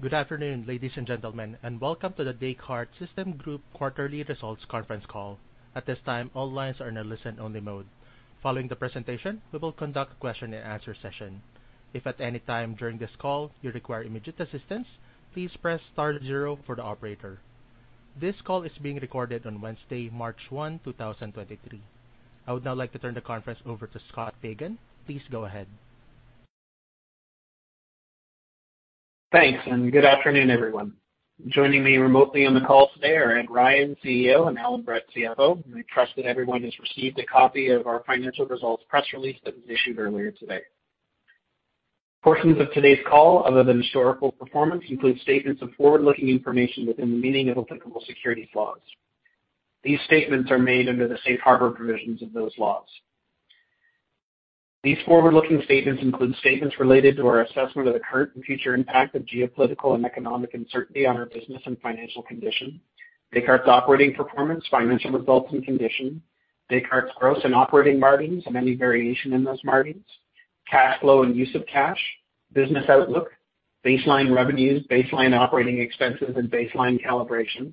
Good afternoon, ladies and gentlemen, and welcome to The Descartes Systems Group quarterly results conference call. At this time, all lines are in a listen-only mode. Following the presentation, we will conduct a question and answer session. If at any time during this call you require immediate assistance, please press star zero for the operator. This call is being recorded on Wednesday, March 1, 2023. I would now like to turn the conference over to Scott Pagan. Please go ahead. Thanks, and good afternoon, everyone. Joining me remotely on the call today are Ed Ryan, CEO, and Allan Brett, CFO. We trust that everyone has received a copy of our financial results press release that was issued earlier today. Portions of today's call, other than historical performance, include statements of forward-looking information within the meaning of applicable securities laws. These statements are made under the safe harbor provisions of those laws. These forward-looking statements include statements related to our assessment of the current and future impact of geopolitical and economic uncertainty on our business and financial condition. Descartes' operating performance, financial results and condition, Descartes' gross and operating margins, and any variation in those margins, cash flow and use of cash, business outlook, baseline revenues, baseline operating expenses and baseline calibration,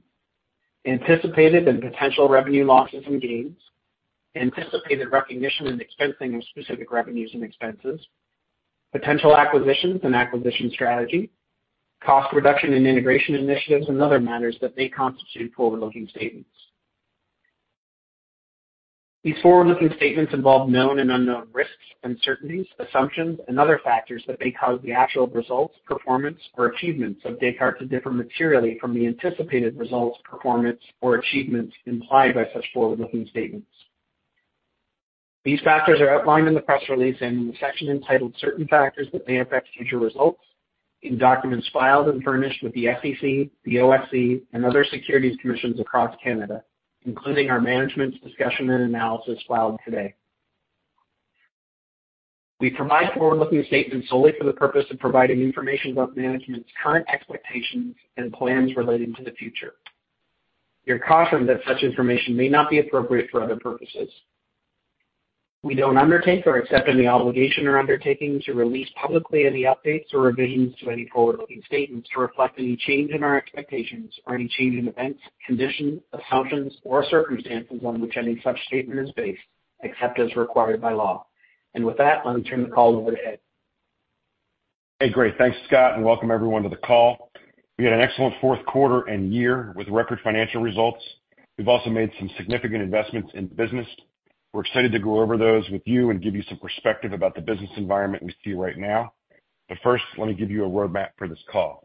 anticipated and potential revenue losses and gains, anticipated recognition and expensing of specific revenues and expenses, potential acquisitions and acquisition strategy, cost reduction and integration initiatives and other matters that may constitute forward-looking statements. These forward-looking statements involve known and unknown risks, uncertainties, assumptions and other factors that may cause the actual results, performance or achievements of Descartes to differ materially from the anticipated results, performance or achievements implied by such forward-looking statements. These factors are outlined in the press release and in the section entitled Certain Factors That May Affect Future Results in documents filed and furnished with the SEC, the OSC, and other securities commissions across Canada, including our management's discussion and analysis filed today. We provide forward-looking statements solely for the purpose of providing information about management's current expectations and plans relating to the future. You're cautioned that such information may not be appropriate for other purposes. We don't undertake or accept any obligation or undertaking to release publicly any updates or revisions to any forward-looking statements to reflect any change in our expectations or any change in events, conditions, assumptions, or circumstances on which any such statement is based, except as required by law. With that, let me turn the call over to Ed. Hey, great. Thanks, Scott, and welcome everyone to the call. We had an excellent fourth quarter and year with record financial results. We've also made some significant investments in the business. We're excited to go over those with you and give you some perspective about the business environment we see right now. First, let me give you a roadmap for this call.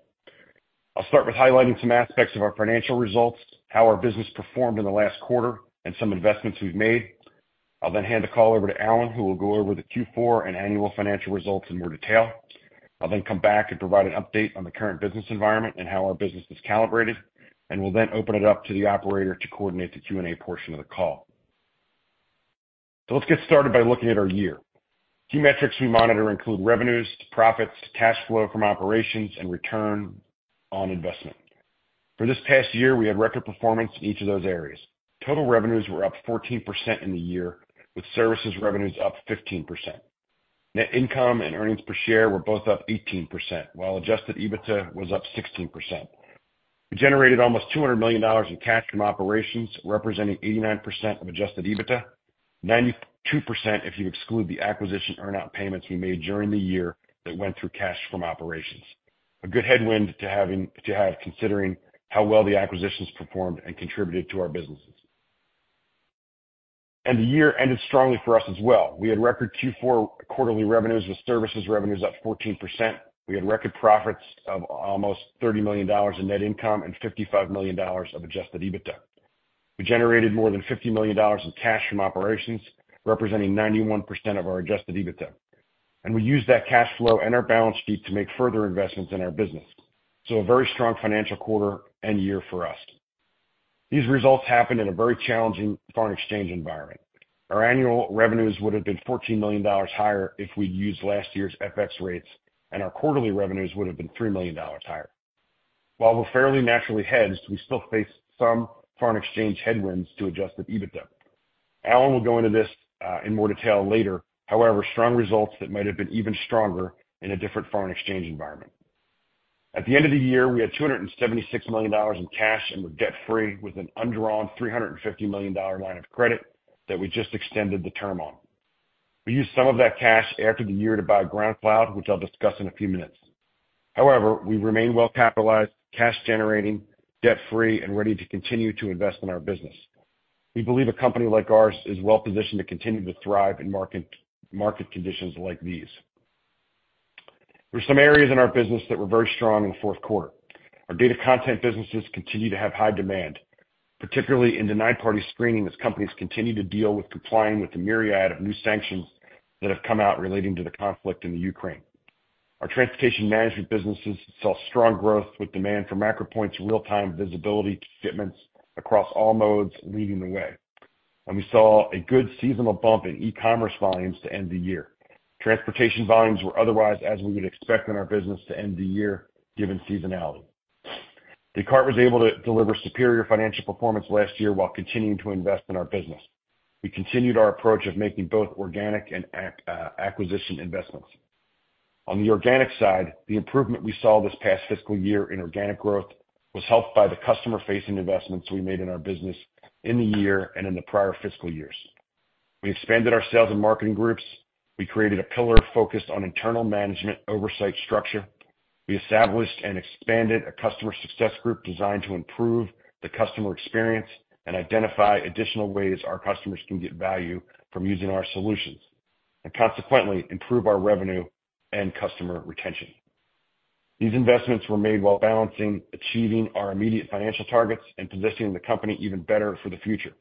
I'll start with highlighting some aspects of our financial results, how our business performed in the last quarter, and some investments we've made. I'll hand the call over to Allan, who will go over the Q4 and annual financial results in more detail. I'll come back and provide an update on the current business environment and how our business is calibrated, and we'll then open it up to the operator to coordinate the Q&A portion of the call. Let's get started by looking at our year. Key metrics we monitor include revenues to profits to cash flow from operations and return on investment. For this past year, we had record performance in each of those areas. Total revenues were up 14% in the year, with services revenues up 15%. Net income and earnings per share were both up %, while adjusted EBITDA was up 16%. We generated almost $200 million in cash from operations, representing 89% of adjusted EBITDA, 92% if you exclude the acquisition earn-out payments we made during the year that went through cash from operations. A good headwind to have considering how well the acquisitions performed and contributed to our businesses. The year ended strongly for us as well. We had record Q4 quarterly revenues, with services revenues up 14%. We had record profits of almost $30 million in net income and $55 million of adjusted EBITDA. We generated more than $50 million in cash from operations, representing 91% of our adjusted EBITDA. We used that cash flow and our balance sheet to make further investments in our business. A very strong financial quarter and year for us. These results happened in a very challenging foreign exchange environment. Our annual revenues would have been $14 million higher if we'd used last year's FX rates, and our quarterly revenues would have been $3 million higher. While we're fairly naturally hedged, we still face some foreign exchange headwinds to adjusted EBITDA. Alan will go into this in more detail later. However, strong results that might have been even stronger in a different foreign exchange environment. At the end of the year, we had $276 million in cash and were debt-free, with an undrawn $350 million line of credit that we just extended the term on. We used some of that cash after the year to buy GroundCloud, which I'll discuss in a few minutes. We remain well-capitalized, cash generating, debt-free and ready to continue to invest in our business. We believe a company like ours is well-positioned to continue to thrive in market conditions like these. There are some areas in our business that were very strong in the fourth quarter. Our data content businesses continue to have high demand, particularly in denied party screening, as companies continue to deal with complying with the myriad of new sanctions that have come out relating to the conflict in the Ukraine. Our transportation management businesses saw strong growth with demand for MacroPoint's real-time visibility to shipments across all modes leading the way. We saw a good seasonal bump in e-commerce volumes to end the year. Transportation volumes were otherwise as we would expect in our business to end the year, given seasonality. Descartes was able to deliver superior financial performance last year while continuing to invest in our business. We continued our approach of making both organic and acquisition investments. On the organic side, the improvement we saw this past year in organic growth was helped by the customer facing investments we made in our business in the year and in the prior fiscal years. We expanded our sales and marketing groups. We created a pillar focused on internal management oversight structure. We established and expanded a customer success group designed to improve the customer experience and identify additional ways our customers can get value from using our solutions and consequently improve our revenue and customer retention. These investments were made while balancing achieving our immediate financial targets and positioning the company even better for the future.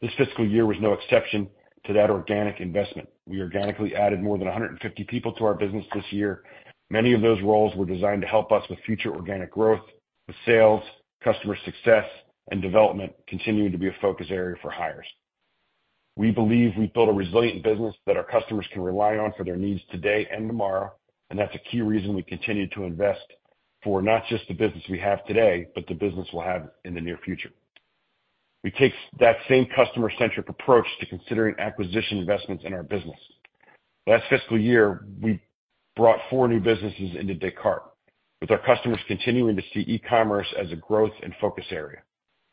This FY 2023 was no exception to that organic investment. We organically added more than 150 people to our business this year. Many of those roles were designed to help us with future organic growth, with sales, customer success and development continuing to be a focus area for hires. We believe we built a resilient business that our customers can rely on for their needs today and tomorrow, and that's a key reason we continue to invest for not just the business we have today, but the business we'll have in the near future. We take that same customer centric approach to considering acquisition investments in our business. Last fiscal year, we brought 4 new businesses into Descartes, with our customers continuing to see e-commerce as a growth and focus area.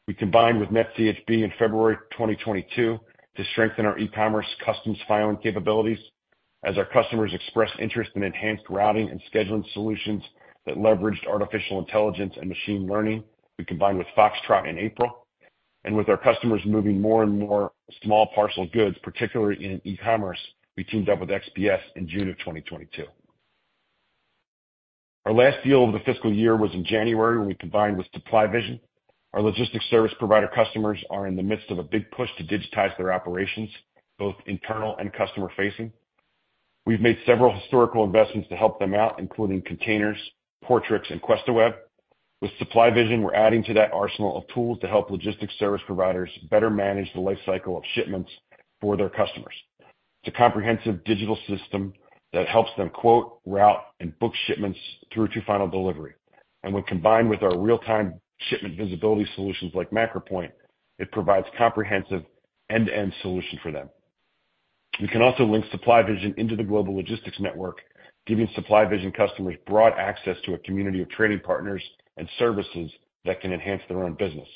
We combined with NetCHB in February 2022 to strengthen our e-commerce customs filing capabilities. As our customers expressed interest in enhanced routing and scheduling solutions that leveraged artificial intelligence and machine learning, we combined with Foxtrot in April, and with our customers moving more and more small parcel goods, particularly in e-commerce, we teamed up with XPS in June of 2022. Our last deal of the FY 2023 was in January when we combined with Supply Vision. Our logistics service provider customers are in the midst of a big push to digitize their operations, both internal and customer facing. We've made several historical investments to help them out, including Kontainers, Portrix, and QuestaWeb. With Supply Vision, we're adding to that arsenal of tools to help logistics service providers better manage the life cycle of shipments for their customers. It's a comprehensive digital system that helps them quote, route, and book shipments through to final delivery. And when combined with our real time shipment visibility solutions like MacroPoint, it provides comprehensive end-to-end solution for them. We can also link Supply Vision into the Global Logistics Network, giving Supply Vision customers broad access to a community of trading partners and services that can enhance their own business.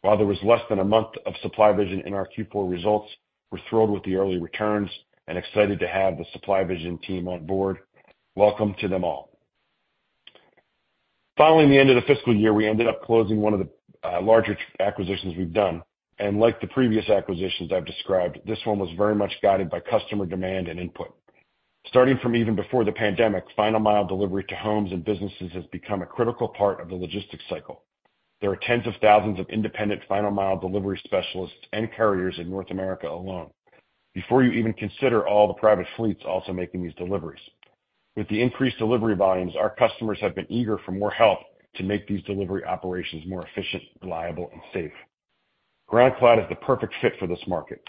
While there was less than a month of Supply Vision in our Q4 results, we're thrilled with the early returns and excited to have the Supply Vision team on board. Welcome to them all. In the end of the FY 2023, we ended up closing one of the larger acquisitions we've done, like the previous acquisitions I've described, this one was very much guided by customer demand and input. Starting from even before the pandemic, final mile delivery to homes and businesses has become a critical part of the logistics cycle. There are tens of thousands of independent final mile delivery specialists and carriers in North America alone. Before you even consider all the private fleets also making these deliveries. With the increased delivery volumes, our customers have been eager for more help to make these delivery operations more efficient, reliable, and safe. GroundCloud is the perfect fit for this market.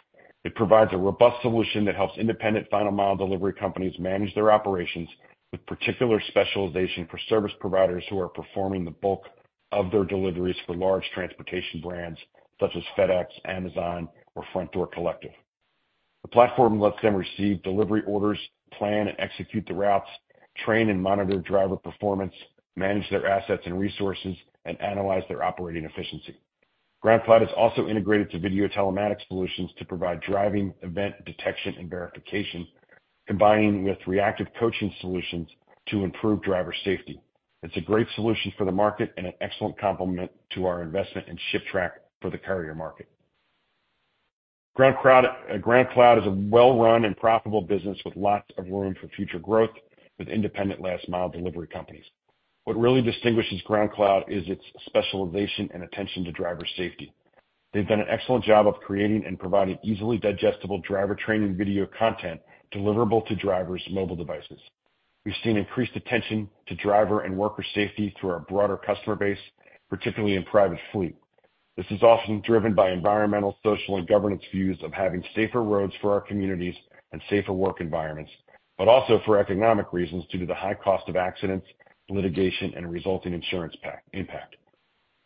It provides a robust solution that helps independent final mile delivery companies manage their operations with particular specialization for service providers who are performing the bulk of their deliveries for large transportation brands such as FedEx, Amazon, or Front Door Collective. The platform lets them receive delivery orders, plan and execute the routes, train and monitor driver performance, manage their assets and resources, and analyze their operating efficiency. GroundCloud is also integrated to video telematics solutions to provide driving event detection and verification, combining with reactive coaching solutions to improve driver safety. It's a great solution for the market and an excellent complement to our investment in ShipTrack for the carrier market. GroundCloud is a well-run and profitable business with lots of room for future growth with independent last mile delivery companies. What really distinguishes GroundCloud is its specialization and attention to driver safety. They've done an excellent job of creating and providing easily digestible driver training video content deliverable to drivers' mobile devices. We've seen increased attention to driver and worker safety through our broader customer base, particularly in private fleet. This is often driven by environmental, social, and governance views of having safer roads for our communities and safer work environments, but also for economic reasons due to the high cost of accidents, litigation, and resulting insurance impact.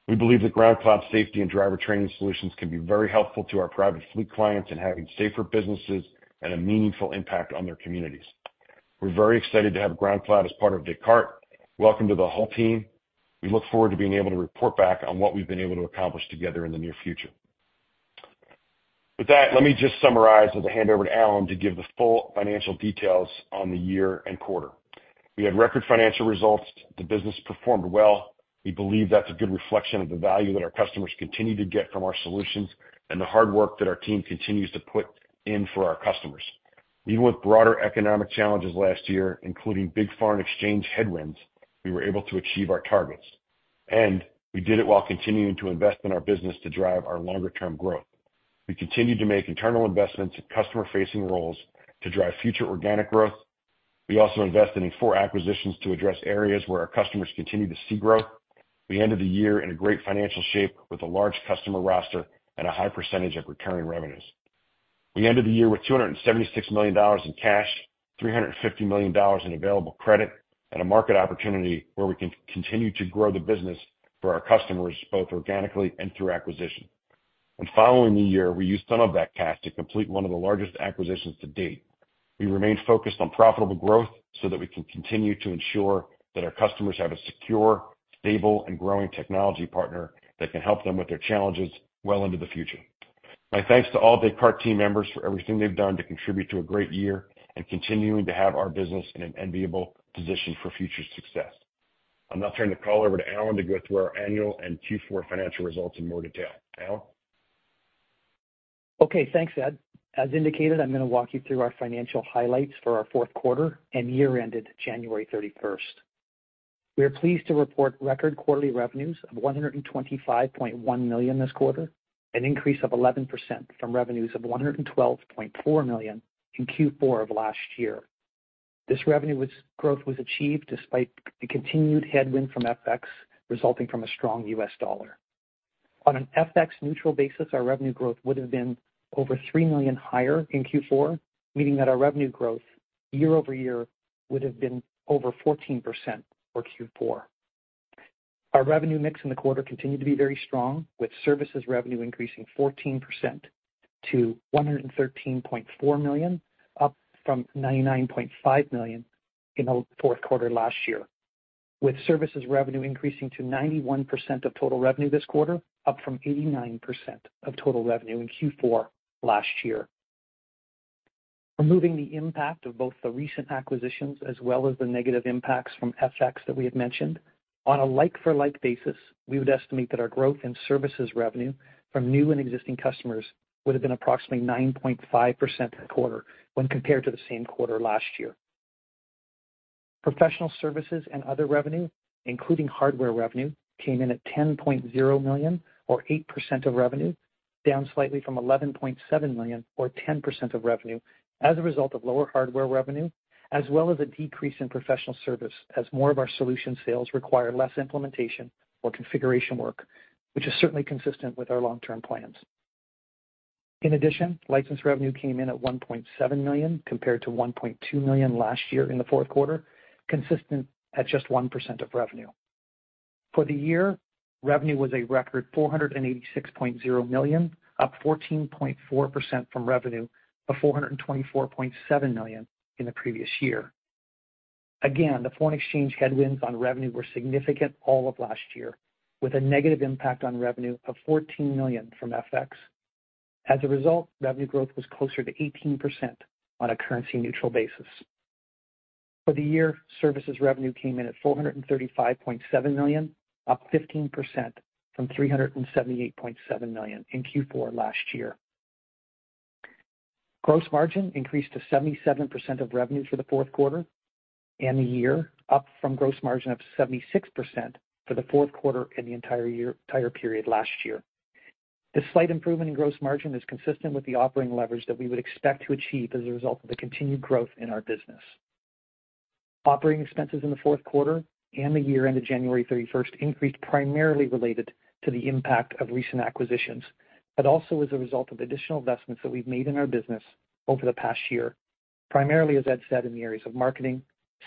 We believe that GroundCloud safety and driver training solutions can be very helpful to our private fleet clients in having safer businesses at a meaningful impact on their communities. We're very excited to have GroundCloud as part of Descartes. Welcome to the whole team. We look forward to being able to report back on what we've been able to accomplish together in the near future. With that, let me just summarize with a hand over to Alan to give the full financial details on the year and quarter. We had record financial results. The business performed well. We believe that's a good reflection of the value that our customers continue to get from our solutions and the hard work that our team continues to put in for our customers. Even with broader economic challenges last year, including big foreign exchange headwinds, we were able to achieve our targets, and we did it while continuing to invest in our business to drive our longer-term growth. We continued to make internal investments in customer-facing roles to drive future organic growth. We also invested in four acquisitions to address areas where our customers continue to see growth. We end the year in a great financial shape with a large customer roster and a high percentage of recurring revenues. We ended the year with $276 million in cash, $350 million in available credit, and a market opportunity where we can continue to grow the business for our customers, both organically and through acquisition. Following the year, we used some of that cash to complete one of the largest acquisitions to date. We remain focused on profitable growth so that we can continue to ensure that our customers have a secure, stable, and growing technology partner that can help them with their challenges well into the future. My thanks to all Descartes team members for everything they've done to contribute to a great year and continuing to have our business in an enviable position for future success. I'll now turn the call over to Alan to go through our annual and Q4 financial results in more detail. Alan? Okay, Ed. As indicated, I'm gonna walk you through our financial highlights for our fourth quarter and year-ended January 31st. We are pleased to report record quarterly revenues of $125.1 million this quarter, an increase of 11% from revenues of $112.4 million in Q4 of last year. This revenue growth was achieved despite the continued headwind from FX resulting from a strong US dollar. On an FX-neutral basis, our revenue growth would have been over $3 million higher in Q4, meaning that our revenue growth year-over-year would have been over 14% for Q4. Our revenue mix in the quarter continued to be very strong, with services revenue increasing 14% to $113.4 million, up from $99.5 million in the fourth quarter last year. With services revenue increasing to 91% of total revenue this quarter, up from 89% of total revenue in Q4 last year. Removing the impact of both the recent acquisitions as well as the negative impacts from FX that we had mentioned, on a like-for-like basis, we would estimate that our growth in services revenue from new and existing customers would have been approximately 9.5% this quarter when compared to the same quarter last year. Professional services and other revenue, including hardware revenue, came in at $10.0 million or 8% of revenue, down slightly from $11.7 million or 10% of revenue as a result of lower hardware revenue, as well as a decrease in professional service as more of our solution sales require less implementation or configuration work, which is certainly consistent with our long-term plans. In addition, license revenue came in at $1.7 million compared to $1.2 million last year in the fourth quarter, consistent at just 1% of revenue. For the year, revenue was a record $486.0 million, up 14.4% from revenue of $424.7 million in the previous year. The foreign exchange headwinds on revenue were significant all of last year, with a negative impact on revenue of $14 million from FX. As a result, revenue growth was closer to 18% on a currency-neutral basis. For the year, services revenue came in at $435.7 million, up 15% from $378.7 million in Q4 last year. Gross margin increased to 77% of revenue for the fourth quarter and the year, up from gross margin of 76% for the fourth quarter and the entire period last year. This slight improvement in gross margin is consistent with the operating leverage that we would expect to achieve as a result of the continued growth in our business. Operating expenses in the fourth quarter and the year-end of January 31st increased primarily related to the impact of recent acquisitions. Also as a result of additional investments that we've made in our business over the past year, primarily, as Ed said, in the areas of marketing,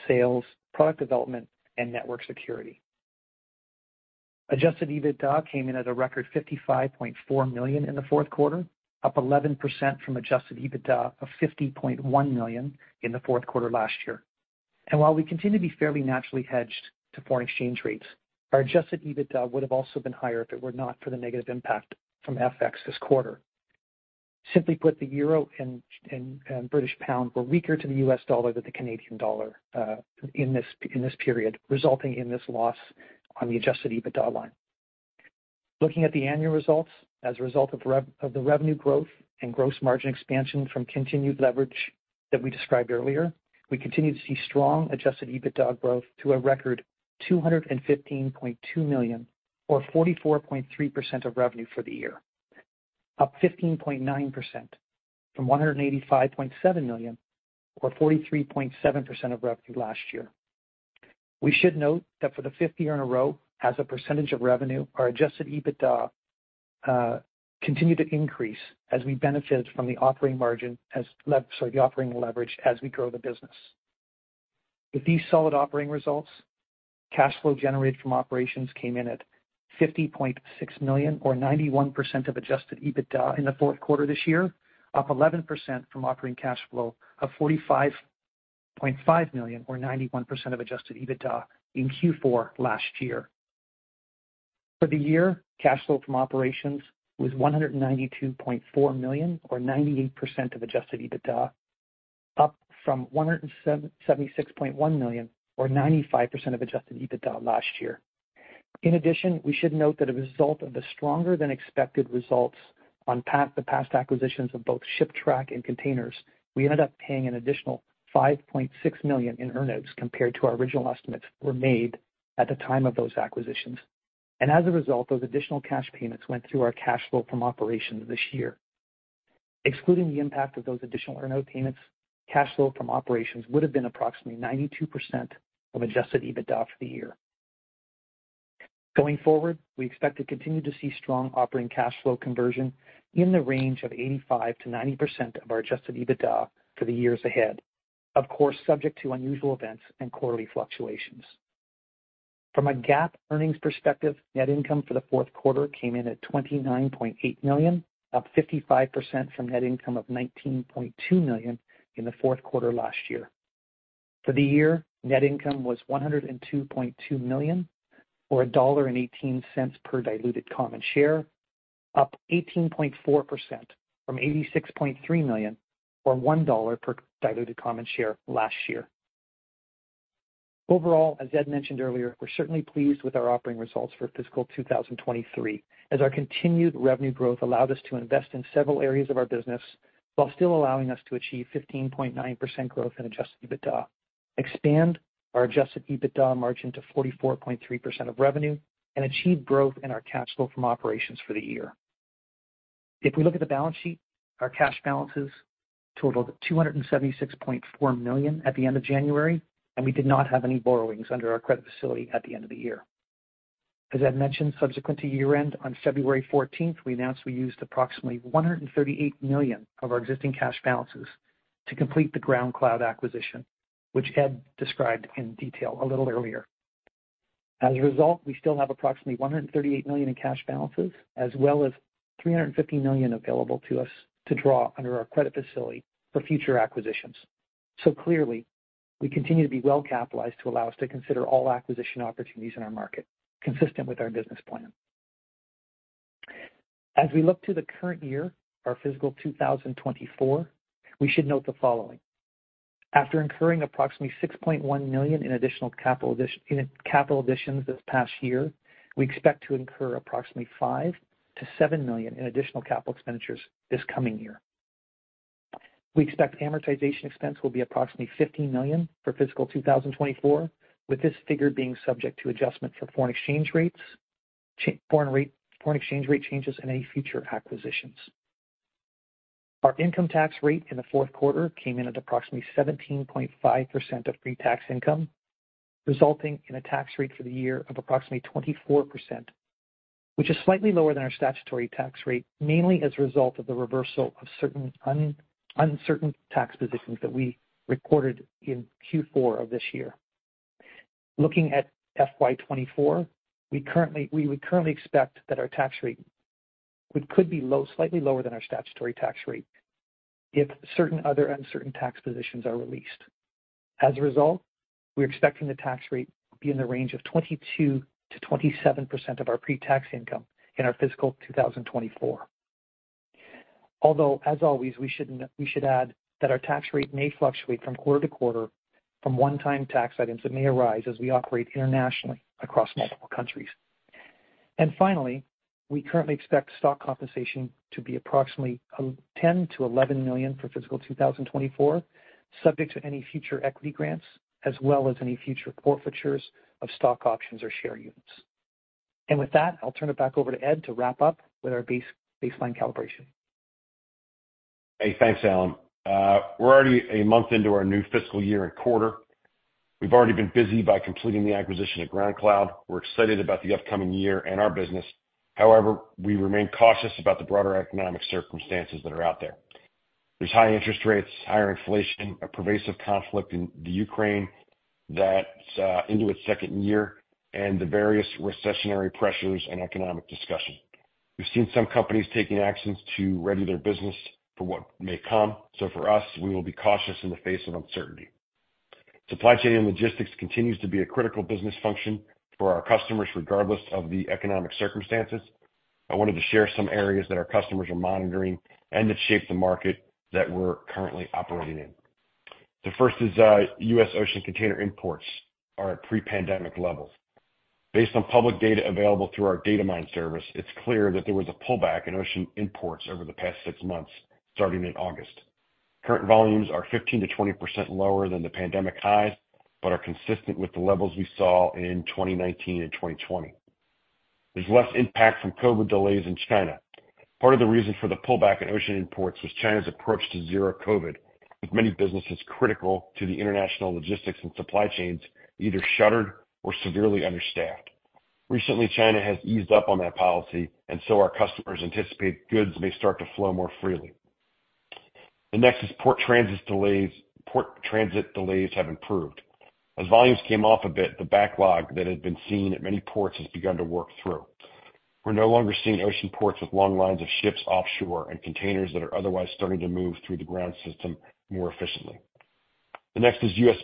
sales, product development, and network security. Adjusted EBITDA came in at a record $55.4 million in the fourth quarter, up 11% from adjusted EBITDA of $50.1 million in the fourth quarter last year. While we continue to be fairly naturally hedged to foreign exchange rates, our adjusted EBITDA would have also been higher if it were not for the negative impact from FX this quarter. Simply put, the euro and British Pound were weaker to the US dollar than the Canadian dollar in this period, resulting in this loss on the adjusted EBITDA line. Looking at the annual results. As a result of the revenue growth and gross margin expansion from continued leverage that we described earlier, we continue to see strong adjusted EBITDA growth to a record $215.2 million or 44.3% of revenue for the year, up 15.9% from $185.7 million or 43.7% of revenue last year. We should note that for the fifth year in a row, as a percentage of revenue, our adjusted EBITDA continued to increase as we benefit from the operating margin sorry, the operating leverage as we grow the business. With these solid operating results, cash flow generated from operations came in at $50.6 million or 91% of adjusted EBITDA in the fourth quarter this year, up 11% from operating cash flow of $45.5 million or 91% of adjusted EBITDA in Q4 last year. For the year, cash flow from operations was $192.4 million or 98% of adjusted EBITDA, up from $176.1 million or 95% of adjusted EBITDA last year. In addition, we should note that as a result of the stronger than expected results on the past acquisitions of both ShipTrack and Kontainers, we ended up paying an additional $5.6 million in earnouts compared to our original estimates were made at the time of those acquisitions. As a result, those additional cash payments went through our cash flow from operations this year. Excluding the impact of those additional earnout payments, cash flow from operations would have been approximately 92% of adjusted EBITDA for the year. Going forward, we expect to continue to see strong operating cash flow conversion in the range of 85%-90% of our adjusted EBITDA for the years ahead. Of course, subject to unusual events and quarterly fluctuations. From a GAAP earnings perspective, net income for the fourth quarter came in at $29.8 million, up 55% from net income of $19.2 million in the fourth quarter last year. For the year, net income was $102.2 million, or $1.18 per diluted common share, up 18.4% from $86.3 million, or $1 per diluted common share last year. Overall, as Ed mentioned earlier, we're certainly pleased with our operating results for fiscal 2023, as our continued revenue growth allowed us to invest in several areas of our business while still allowing us to achieve 15.9% growth in adjusted EBITDA, expand our adjusted EBITDA margin to 44.3% of revenue, and achieve growth in our cash flow from operations for the year. If we look at the balance sheet, our cash balances totaled $276.4 million at the end of January, and we did not have any borrowings under our credit facility at the end of the year. As Ed mentioned, subsequent to year-end, on February 14th, we announced we used approximately $138 million of our existing cash balances to complete the GroundCloud acquisition, which Ed described in detail a little earlier. As a result, we still have approximately $138 million in cash balances, as well as $350 million available to us to draw under our credit facility for future acquisitions. Clearly, we continue to be well-capitalized to allow us to consider all acquisition opportunities in our market consistent with our business plan. As we look to the current year, our fiscal 2024, we should note the following. After incurring approximately $6.1 million in additional capital additions this past year, we expect to incur approximately $5 million-$7 million in additional CapEx this coming year. We expect amortization expense will be approximately $15 million for fiscal 2024, with this figure being subject to adjustment for foreign exchange rates, foreign exchange rate changes, and any future acquisitions. Our income tax rate in the fourth quarter came in at approximately 17.5% of pre-tax income, resulting in a tax rate for the year of approximately 24%, which is slightly lower than our statutory tax rate, mainly as a result of the reversal of certain uncertain tax positions that we recorded in Q4 of this year. Looking at FY 2024, we would currently expect that our tax rate could be slightly lower than our statutory tax rate if certain other uncertain tax positions are released. As a result, we're expecting the tax rate to be in the range of 22% to 27% of our pre-tax income in our fiscal 2024. As always, we should add that our tax rate may fluctuate from quarter to quarter from one-time tax items that may arise as we operate internationally across multiple countries. Finally, we currently expect stock compensation to be approximately $10 million to $11 million for fiscal 2024, subject to any future equity grants as well as any future forfeitures of stock options or share units. With that, I'll turn it back over to Ed to wrap up with our baseline calibration. Hey, thanks, Alan. We're already a month into our new fiscal year and quarter. We've already been busy by completing the acquisition of GroundCloud. We're excited about the upcoming year and our business. We remain cautious about the broader economic circumstances that are out there. There's high interest rates, higher inflation, a pervasive conflict in Ukraine that's into its second year, and the various recessionary pressures and economic discussion. We've seen some companies taking actions to ready their business for what may come. For us, we will be cautious in the face of uncertainty. Supply chain and logistics continues to be a critical business function for our customers, regardless of the economic circumstances. I wanted to share some areas that our customers are monitoring and that shape the market that we're currently operating in. The first is, U.S. ocean container imports are at pre-pandemic levels. Based on public data available through our Datamyne service, it's clear that there was a pullback in ocean imports over the past six months, starting in August. Current volumes are 15% to 20% lower than the pandemic highs, but are consistent with the levels we saw in 2019 and 2020. There's less impact from COVID delays in China. Part of the reason for the pullback in ocean imports was China's approach to zero COVID, with many businesses critical to the international logistics and supply chains either shuttered or severely understaffed. Recently, China has eased up on that policy, our customers anticipate goods may start to flow more freely. The next is port transit delays have improved. As volumes came off a bit, the backlog that had been seen at many ports has begun to work through. We're no longer seeing ocean ports with long lines of ships offshore and containers that are otherwise starting to move through the ground system more efficiently. The next is U.S.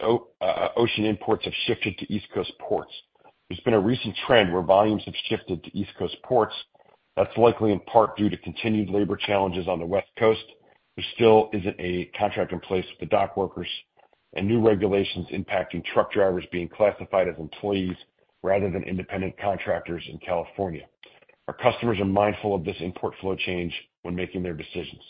ocean imports have shifted to East Coast ports. There's been a recent trend where volumes have shifted to East Coast ports. That's likely in part due to continued labor challenges on the West Coast. There still isn't a contract in place with the dock workers and new regulations impacting truck drivers being classified as employees rather than independent contractors in California. Our customers are mindful of this import flow change when making their decisions.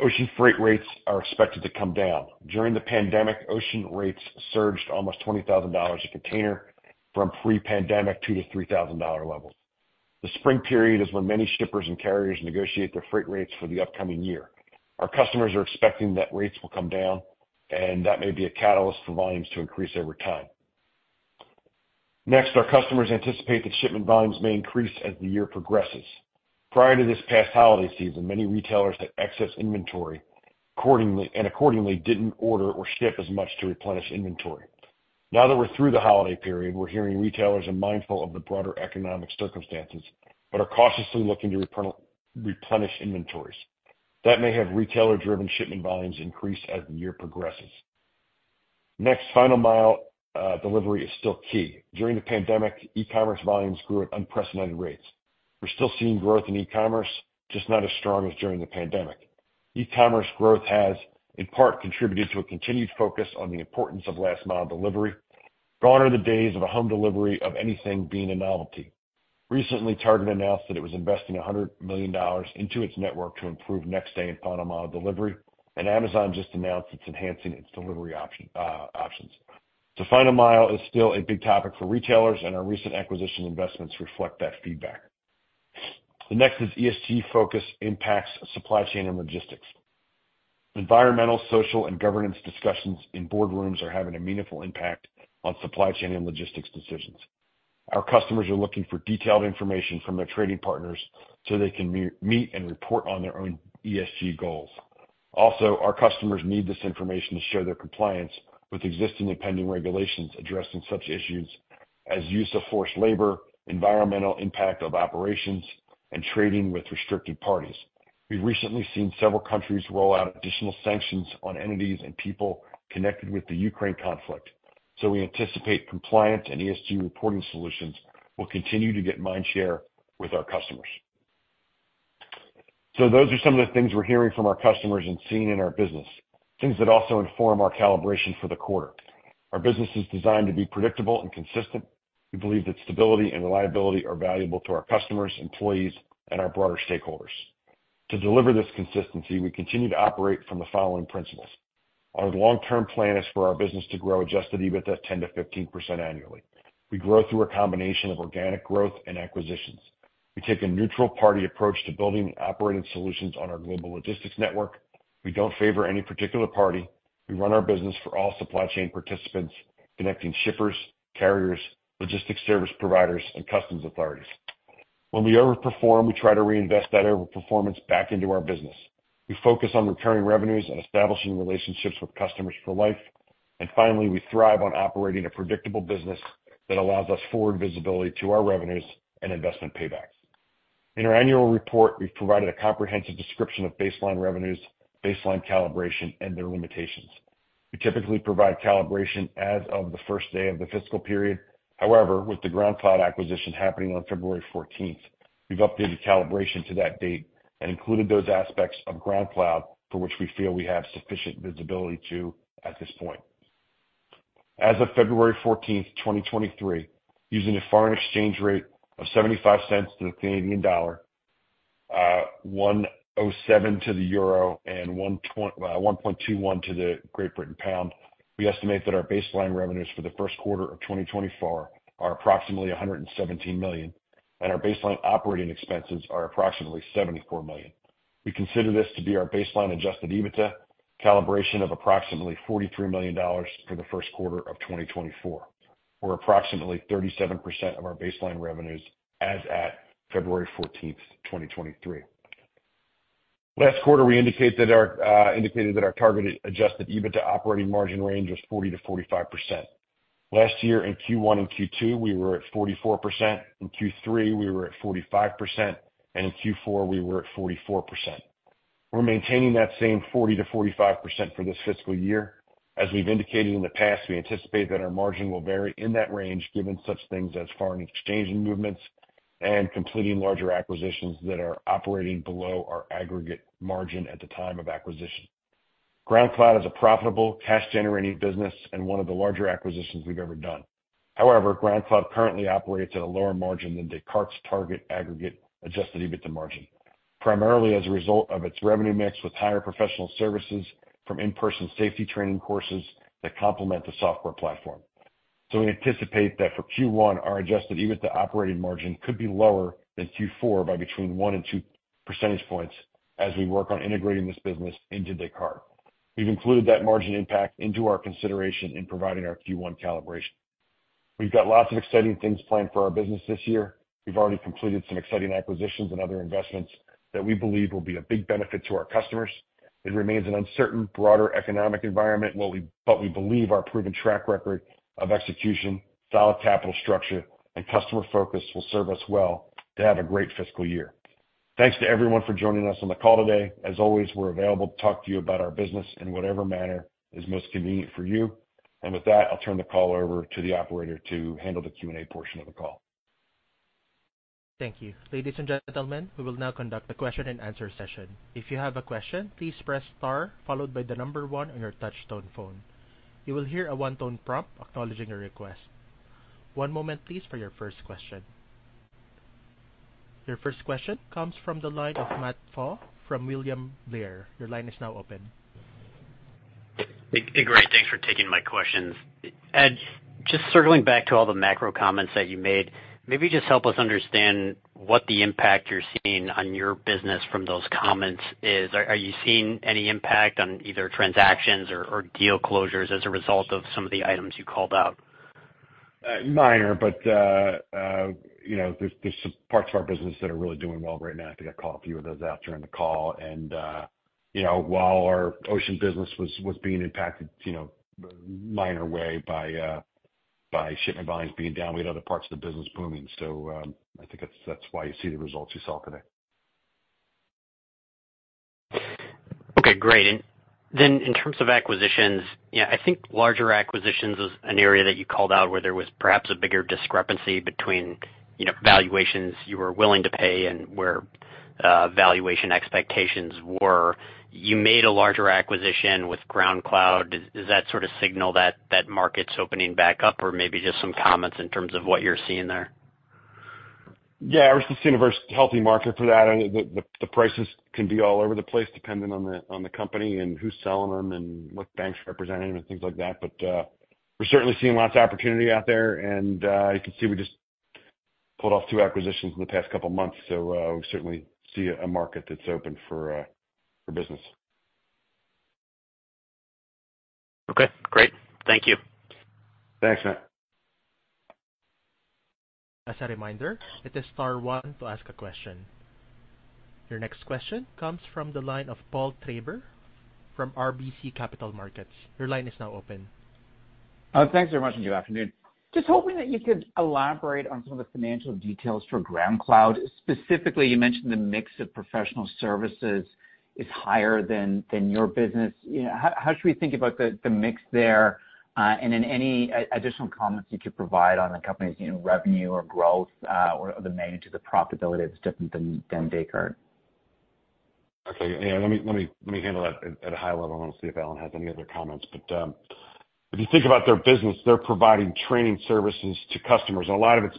Ocean freight rates are expected to come down. During the pandemic, ocean rates surged almost $20,000 a container from pre-pandemic $2,000-$3,000 levels. The spring period is when many shippers and carriers negotiate their freight rates for the upcoming year. Our customers are expecting that rates will come down, that may be a catalyst for volumes to increase over time. Our customers anticipate that shipment volumes may increase as the year progresses. Prior to this past holiday season, many retailers had excess inventory accordingly didn't order or ship as much to replenish inventory. That we're through the holiday period, we're hearing retailers are mindful of the broader economic circumstances, but are cautiously looking to replenish inventories. That may have retailer-driven shipment volumes increase as the year progresses. Final mile delivery is still key. During the pandemic, e-commerce volumes grew at unprecedented rates. We're still seeing growth in e-commerce, just not as strong as during the pandemic. E-commerce growth has in part contributed to a continued focus on the importance of last mile delivery. Gone are the days of a home delivery of anything being a novelty. Recently, Target announced that it was investing $100 million into its network to improve next-day and final-mile delivery. Amazon just announced it's enhancing its delivery options. Final mile is still a big topic for retailers. Our recent acquisition investments reflect that feedback. The next is ESG focus impacts supply chain and logistics. Environmental, social, and governance discussions in boardrooms are having a meaningful impact on supply chain and logistics decisions. Our customers are looking for detailed information from their trading partners. They can meet and report on their own ESG goals. Our customers need this information to show their compliance with existing and pending regulations addressing such issues as use of forced labor, environmental impact of operations, and trading with restricted parties. We've recently seen several countries roll out additional sanctions on entities and people connected with the Ukraine conflict, we anticipate compliance and ESG reporting solutions will continue to get mind share with our customers. Those are some of the things we're hearing from our customers and seeing in our business, things that also inform our calibration for the quarter. Our business is designed to be predictable and consistent. We believe that stability and reliability are valuable to our customers, employees, and our broader stakeholders. To deliver this consistency, we continue to operate from the following principles. Our long-term plan is for our business to grow adjusted EBITDA 10%-15% annually. We grow through a combination of organic growth and acquisitions. We take a neutral party approach to building and operating solutions on our Global Logistics Network. We don't favor any particular party. We run our business for all supply chain participants, connecting shippers, carriers, logistics service providers, and customs authorities. When we overperform, we try to reinvest that overperformance back into our business. We focus on recurring revenues and establishing relationships with customers for life. Finally, we thrive on operating a predictable business that allows us forward visibility to our revenues and investment paybacks. In our annual report, we've provided a comprehensive description of baseline revenues, baseline calibration, and their limitations. We typically provide calibration as of the first day of the fiscal period. However, with the GroundCloud acquisition happening on February 14th, 2023 we've updated calibration to that date and included those aspects of GroundCloud for which we feel we have sufficient visibility to at this point. As of February 14, 2023, using a foreign exchange rate of $0.75 to the Canadian dollar, 1.07 to the EUR and 1.21 to the GBP, we estimate that our baseline revenues for the first quarter of 2024 are approximately $117 million, and our baseline operating expenses are approximately $74 million. We consider this to be our baseline adjusted EBITDA calibration of approximately $43 million for the first quarter of 2024, or approximately 37% of our baseline revenues as at February 14, 2023. Last quarter, we indicated that our targeted adjusted EBITDA operating margin range was 40% to 45%. Last year in Q1 and Q2, we were at 44%, in Q3 we were at 45%, and in Q4 we were at 44%. We're maintaining that same 40% to 45% for this fiscal year. As we've indicated in the past, we anticipate that our margin will vary in that range given such things as foreign exchange movements and completing larger acquisitions that are operating below our aggregate margin at the time of acquisition. GroundCloud is a profitable, cash-generating business and one of the larger acquisitions we've ever done. GroundCloud currently operates at a lower margin than Descartes' target aggregate adjusted EBITDA margin, primarily as a result of its revenue mix with higher professional services from in-person safety training courses that complement the software platform. We anticipate that forQ1, our adjusted EBITDA operating margin could be lower than Q4 by between 1 and 2 percentage points as we work on integrating this business into Descartes. We've included that margin impact into our consideration in providing our Q1 calibration. We've got lots of exciting things planned for our business this year. We've already completed some exciting acquisitions and other investments that we believe will be a big benefit to our customers. It remains an uncertain, broader economic environment while we believe our proven track record of execution, solid capital structure, and customer focus will serve us well to have a great fiscal year. Thanks to everyone for joining us on the call today. As always, we're available to talk to you about our business in whatever manner is most convenient for you. With that, I'll turn the call over to the operator to handle the Q&A portion of the call. Thank you. Ladies and gentlemen, we will now conduct a question-and-answer session. If you have a question, please press star followed by one on your touch tone phone. You will hear a one tone prompt acknowledging your request. One moment please for your first question. Your first question comes from the line of Matt Pfau from William Blair. Your line is now open. Hey, great. Thanks for taking my questions. Ed, just circling back to all the macro comments that you made, maybe just help us understand what the impact you're seeing on your business from those comments is. Are you seeing any impact on either transactions or deal closures as a result of some of the items you called out? Minor, you know, there's some parts of our business that are really doing well right now. I think I called a few of those out during the call and, you know, while our ocean business was being impacted, you know, minor way by shipment volumes being down, we had other parts of the business booming. I think that's why you see the results you saw today. Okay, great. In terms of acquisitions, you know, I think larger acquisitions is an area that you called out where there was perhaps a bigger discrepancy between, you know, valuations you were willing to pay and where valuation expectations were. You made a larger acquisition with GroundCloud. Does that sort of signal that that market's opening back up? Or maybe just some comments in terms of what you're seeing there. Yeah. We're seeing a healthy market for that. I mean the prices can be all over the place depending on the company and who's selling them and what banks representing them and things like that. We're certainly seeing lots of opportunity out there and you can see we just pulled off two acquisitions in the past couple months. We certainly see a market that's open for business. Okay, great. Thank you. Thanks, Matt. As a reminder, it is star one to ask a question. Your next question comes from the line of Paul Treiber from RBC Capital Markets. Your line is now open. Thanks very much, and good afternoon. Just hoping that you could elaborate on some of the financial details for GroundCloud. Specifically, you mentioned the mix of professional services is higher than your business. You know, how should we think about the mix there? Any additional comments you could provide on the company's, you know, revenue or growth, or the magnitude of profitability that's different than Descartes. Okay. Yeah. Let me handle that at a high level, and I'll see if Alan has any other comments. If you think about their business, they're providing training services to customers. A lot of it's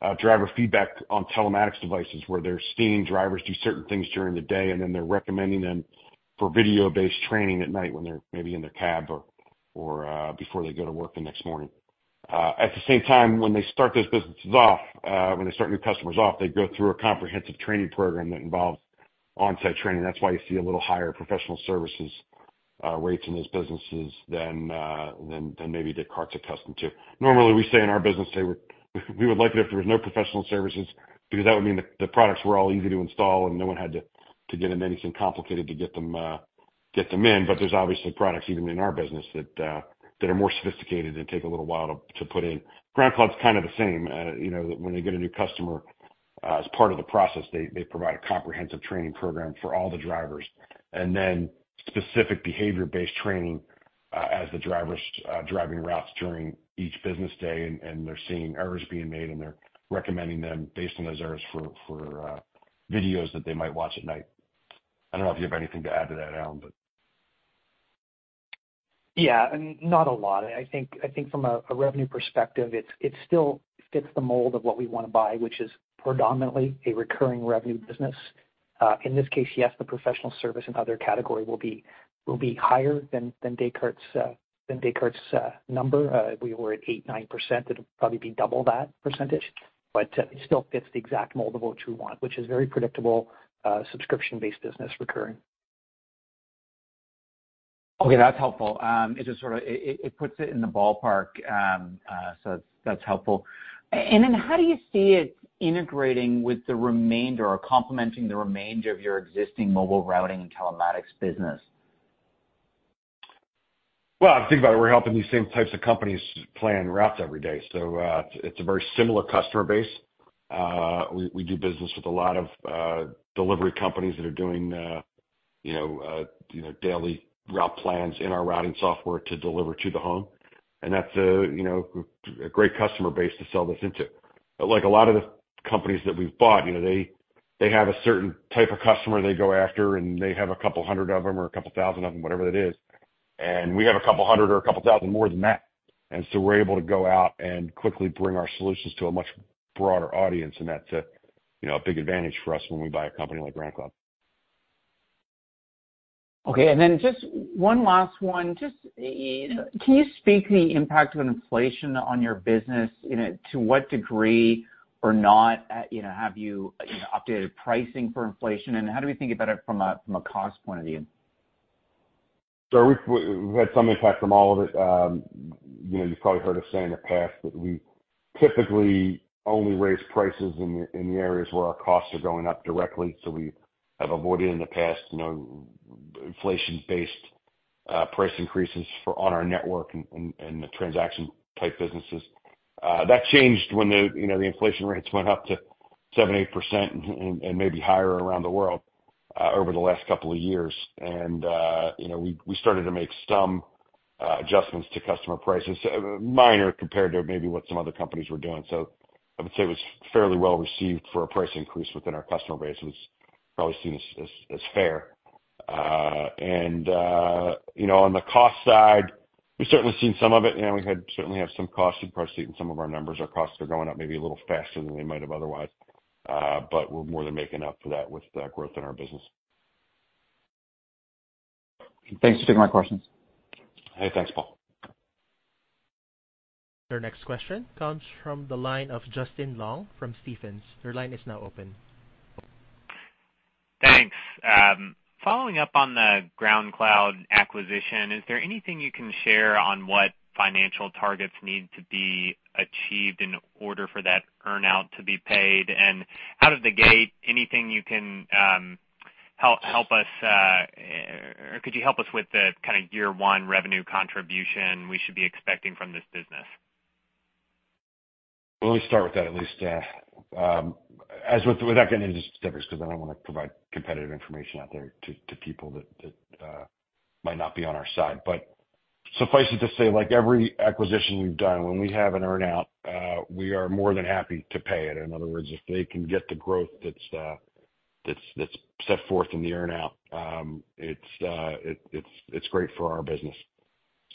based on driver feedback on telematics devices, where they're seeing drivers do certain things during the day, and then they're recommending them for video-based training at night when they're maybe in their cab or before they go to work the next morning. At the same time, when they start those businesses off, when they start new customers off, they go through a comprehensive training program that involves on-site training. That's why you see a little higher professional services rates in those businesses than maybe Descartes' accustomed to. Normally, we say in our business we would like it if there was no professional services because that would mean the products were all easy to install and no one had to get them anything complicated to get them in. There's obviously products even in our business that are more sophisticated and take a little while to put in. GroundCloud's kind of the same. You know, when they get a new customer, as part of the process, they provide a comprehensive training program for all the drivers and then specific behavior-based training, as the drivers driving routes during each business day, and they're seeing errors being made, and they're recommending them based on those errors for videos that they might watch at night. I don't know if you have anything to add to that, Alan, but... Yeah. Not a lot. I think from a revenue perspective, it still fits the mold of what we wanna buy, which is predominantly a recurring revenue business. In this case, yes, the professional service and other category will be higher than Descartes', than Descartes' number. We were at 8%, 9%. It'll probably be double that %. It still fits the exact mold of what you want, which is very predictable, subscription-based business recurring. Okay, that's helpful. It puts it in the ballpark. That's helpful. How do you see it integrating with the remainder or complementing the remainder of your existing mobile routing and telematics business? If you think about it, we're helping these same types of companies plan routes every day. It's a very similar customer base. We do business with a lot of delivery companies that are doing, you know, daily route plans in our routing software to deliver to the home, and that's a, you know, a great customer base to sell this into. A lot of the companies that we've bought, you know, they have a certain type of customer they go after, and they have a couple hundred of them or a couple thousand of them, whatever it is, and we have a couple hundred or a couple thousand more than that. We're able to go out and quickly bring our solutions to a much broader audience, and that's a, you know, a big advantage for us when we buy a company like GroundCloud. Okay. Just one last one. Just you know, can you speak to the impact of inflation on your business? You know, to what degree or not, you know, have you know, updated pricing for inflation? How do we think about it from a cost point of view? We've had some impact from all of it. You know, you've probably heard us say in the past that we typically only raise prices in the areas where our costs are going up directly. We have avoided in the past, you know, inflation-based price increases for, on our network and the transaction type businesses. That changed when the, you know, the inflation rates went up to 7%, 8% and maybe higher around the world over the last twi years. You know, we started to make some adjustments to customer prices, minor compared to maybe what some other companies were doing. I would say it was fairly well received for a price increase within our customer base. It was probably seen as fair. You know, on the cost side, we've certainly seen some of it, you know, we had certainly have some cost increase in some of our numbers. Our costs are going up maybe a little faster than they might have otherwise. We're more than making up for that with the growth in our business. Thanks for taking my questions. Hey, thanks, Paul. Your next question comes from the line of Justin Long from Stephens. Your line is now open. Thanks. Following up on the GroundCloud acquisition, is there anything you can share on what financial targets need to be achieved in order for that earn-out to be paid? Out of the gate, anything you can, help us, or could you help us with the kinda year one revenue contribution we should be expecting from this business? Let me start with that at least. without getting into the specifics because I don't wanna provide competitive information out there to people that might not be on our side. Suffice it to say, like every acquisition we've done, when we have an earn-out, we are more than happy to pay it. In other words, if they can get the growth that's set forth in the earn-out, it's great for our business.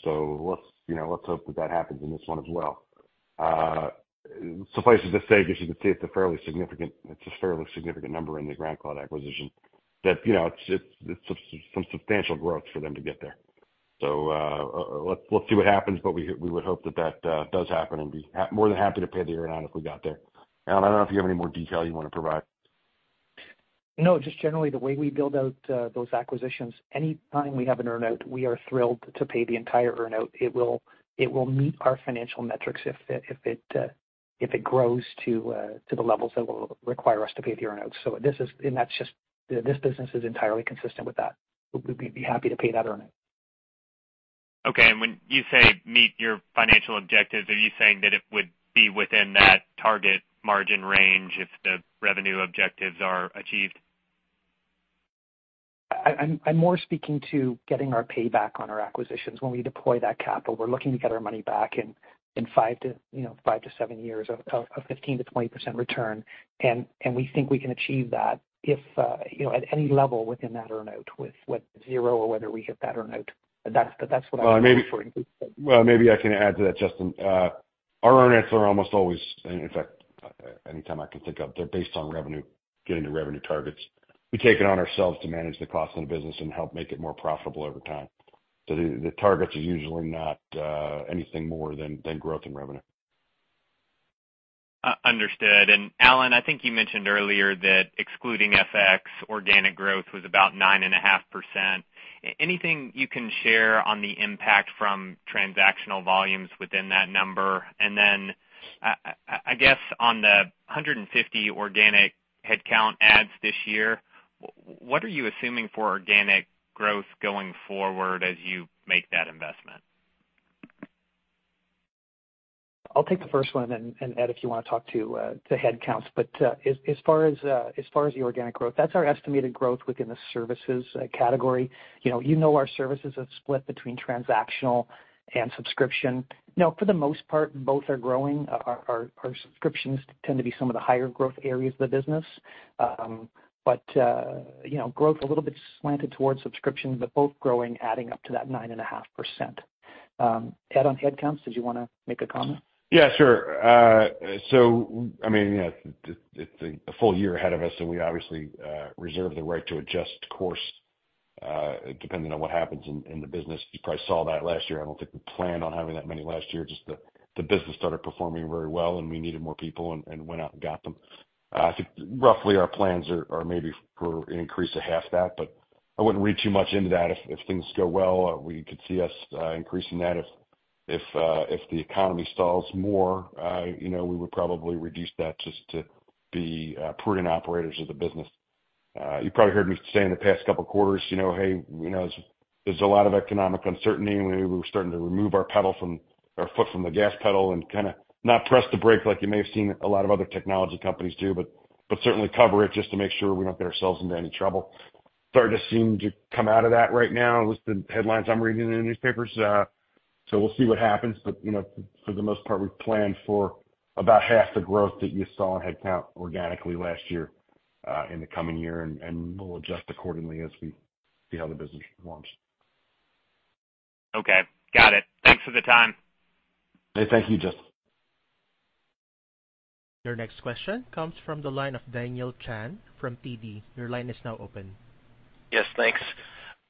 Let's, you know, let's hope that that happens in this one as well. Suffice it to say, because you can see it's a fairly significant number in the GroundCloud acquisition that, you know, it's some substantial growth for them to get there. Let's see what happens. We would hope that that does happen, and be more than happy to pay the earn-out if we got there. Alan, I don't know if you have any more detail you wanna provide. No, just generally the way we build out, those acquisitions, any time we have an earn-out, we are thrilled to pay the entire earn-out. It will meet our financial metrics if it grows to the levels that will require us to pay the earn-out. That's just... This business is entirely consistent with that. We'd be happy to pay that earn-out. Okay. When you say meet your financial objectives, are you saying that it would be within that target margin range if the revenue objectives are achieved? I'm more speaking to getting our payback on our acquisitions. When we deploy that capital, we're looking to get our money back in five to, you know, five to seven years of 15% to 20% return. We think we can achieve that if, you know, at any level within that earn-out with zero or whether we hit that earn-out. That's what I'm- Well, maybe I can add to that, Justin. Our earn-outs are almost always, in fact, any time I can think of, they're based on revenue, getting to revenue targets. We take it on ourselves to manage the cost in the business and help make it more profitable over time. The targets are usually not anything more than growth and revenue. Understood. Alan, I think you mentioned earlier that excluding FX, organic growth was about 9.5%. Anything you can share on the impact from transactional volumes within that number? Then, I guess on the 150 organic headcount adds this year, what are you assuming for organic growth going forward as you make that investment? I'll take the first one, and Ed, if you wanna talk to headcounts. As far as the organic growth, that's our estimated growth within the services category. You know, you know our services are split between transactional and subscription. For the most part, both are growing. Our subscriptions tend to be some of the higher growth areas of the business. but, you know, growth a little bit slanted towards subscription, but both growing, adding up to that 9.5%. Ed, on headcounts, did you wanna make a comment? Yeah, sure. I mean, you know, it's a full year ahead of us, so we obviously reserve the right to adjust course depending on what happens in the business. You probably saw that last year. I don't think we planned on having that many last year, just the business started performing very well, and we needed more people and went out and got them. I think roughly our plans are maybe for an increase of half that, but I wouldn't read too much into that. If things go well, we could see us increasing that. If the economy stalls more, you know, we would probably reduce that just to be prudent operators of the business. You probably heard me say in the past couple quarters, you know, hey, you know, there's a lot of economic uncertainty. We were starting to remove our pedal or foot from the gas pedal and kinda not press the brake like you may have seen a lot of other technology companies do, but certainly cover it just to make sure we don't get ourselves into any trouble. Starting to seem to come out of that right now with the headlines I'm reading in the newspapers. We'll see what happens. You know, for the most part, we've planned for about half the growth that you saw in headcount organically last year, in the coming year, and we'll adjust accordingly as we see how the business performs. Okay. Got it. Thanks for the time. Hey, thank you, Justin. Your next question comes from the line of Daniel Chan from TD. Your line is now open. Yes, thanks.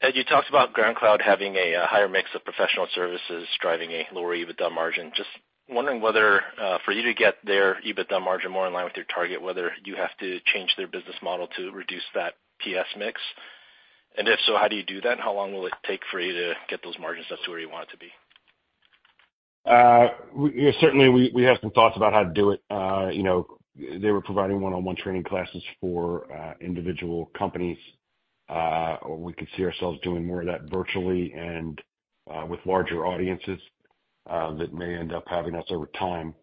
Ed, you talked about GroundCloud having a higher mix of professional services driving a lower EBITDA margin. Just wondering whether for you to get their EBITDA margin more in line with your target, whether you have to change their business model to reduce that PS mix? If so, how do you do that? How long will it take for you to get those margins up to where you want it to be? Certainly we have some thoughts about how to do it. You know, they were providing one-on-one training classes for individual companies. We could see ourselves doing more of that virtually and with larger audiences, that may end up having us over time,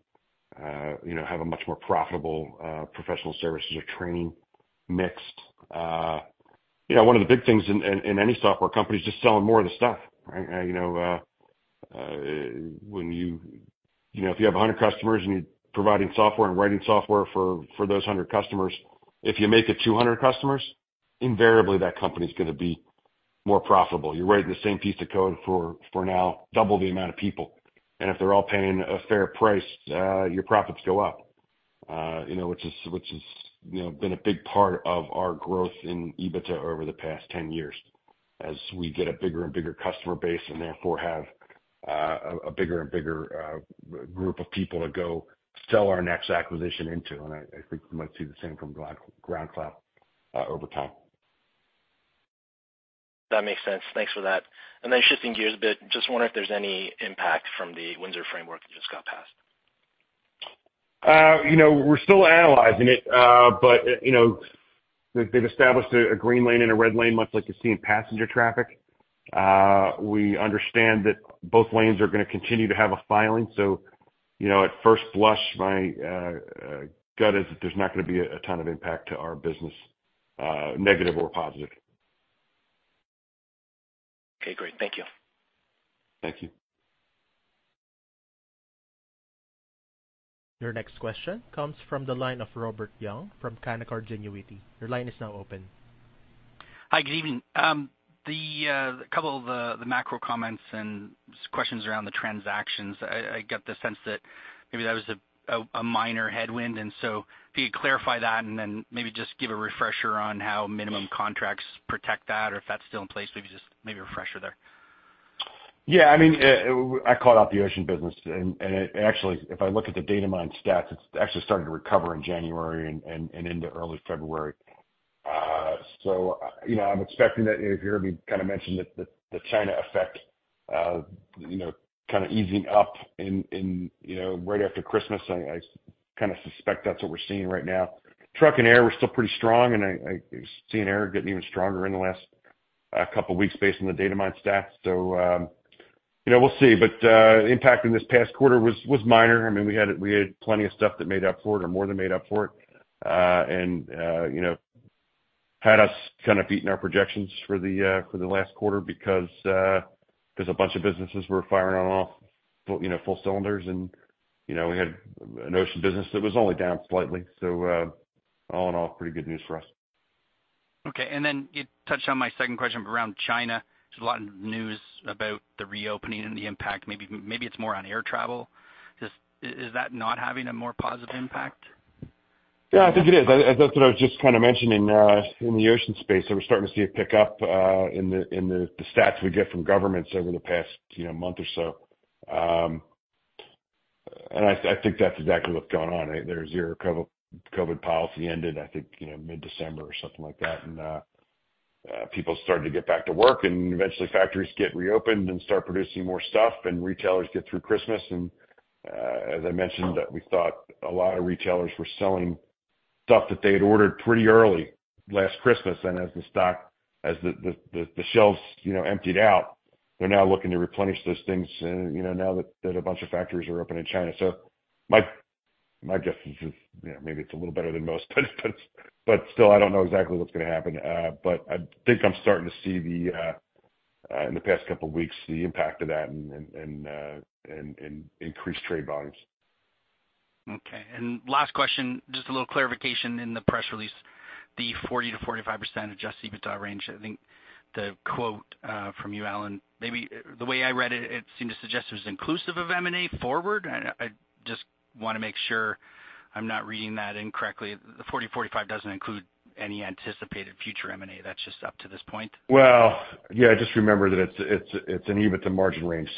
you know, have a much more profitable professional services or training mix. You know, one of the big things in any software company is just selling more of the stuff, right? You know, when you You know, if you have 100 customers and you're providing software and writing software for those 100 customers, if you make it 200 customers, invariably that company's gonna be more profitable. You're writing the same piece of code for now double the amount of people. If they're all paying a fair price, your profits go up. You know, which has, you know, been a big part of our growth in EBITDA over the past 10 years as we get a bigger and bigger customer base and therefore have a bigger and bigger group of people to go sell our next acquisition into. I think we might see the same from GroundCloud over time. That makes sense. Thanks for that. Then shifting gears a bit, just wonder if there's any impact from the Windsor Framework that just got passed. You know, we're still analyzing it. You know, they've established a green lane and a red lane, much like you see in passenger traffic. We understand that both lanes are gonna continue to have a filing. You know, at first blush, my gut is that there's not gonna be a ton of impact to our business, negative or positive. Okay, great. Thank you. Thank you. Your next question comes from the line of Robert Young from Canaccord Genuity. Your line is now open. Hi, good evening. The couple of the macro comments and questions around the transactions. I get the sense that maybe that was a minor headwind. If you could clarify that and then maybe just give a refresher on how minimum contracts protect that or if that's still in place. Maybe just a refresher there. I mean, I called out the ocean business and it actually, if I look at the Datamyne stats, it's actually starting to recover in January and into early February. I'm expecting that if you hear me kind of mention that the China effect, you know, kind of easing up in, you know, right after Christmas. I kind of suspect that's what we're seeing right now. Truck and air were still pretty strong, and I see an air getting even stronger in the last couple of weeks based on the Datamyne stats. You know, we'll see. Impact in this past quarter was minor. I mean, we had plenty of stuff that made up for it or more than made up for it. You know, had us kind of beating our projections for the last quarter because 'cause a bunch of businesses were firing on all, you know, full cylinders and, you know, we had an ocean business that was only down slightly. All in all, pretty good news for us. Okay, you touched on my second question around China. There's a lot of news about the reopening and the impact. Maybe it's more on air travel. Is that not having a more positive impact? Yeah, I think it is. That's what I was just kind of mentioning, in the ocean space, that we're starting to see a pickup, in the stats we get from governments over the past, you know, month or so. I think that's exactly what's going on. Their zero COVID policy ended, I think, you know, mid-December or something like that. people started to get back to work, and eventually factories get reopened and start producing more stuff and retailers get through Christmas and, as I mentioned, that we thought a lot of retailers were selling stuff that they had ordered pretty early last Christmas. As the shelves, you know, emptied out, they're now looking to replenish those things, you know, now that a bunch of factories are open in China. My guess is, you know, maybe it's a little better than most, but still, I don't know exactly what's gonna happen. I think I'm starting to see the in the past couple of weeks, the impact of that and increased trade volumes. Okay. Last question, just a little clarification. In the press release, the 40% to 45% adjusted EBITDA range, I think the quote, from you, Alan, maybe the way I read it seemed to suggest it was inclusive of M&A forward. I just wanna make sure I'm not reading that incorrectly. The 40-45 doesn't include any anticipated future M&A. That's just up to this point? Well, yeah, just remember that it's an EBITDA margin range.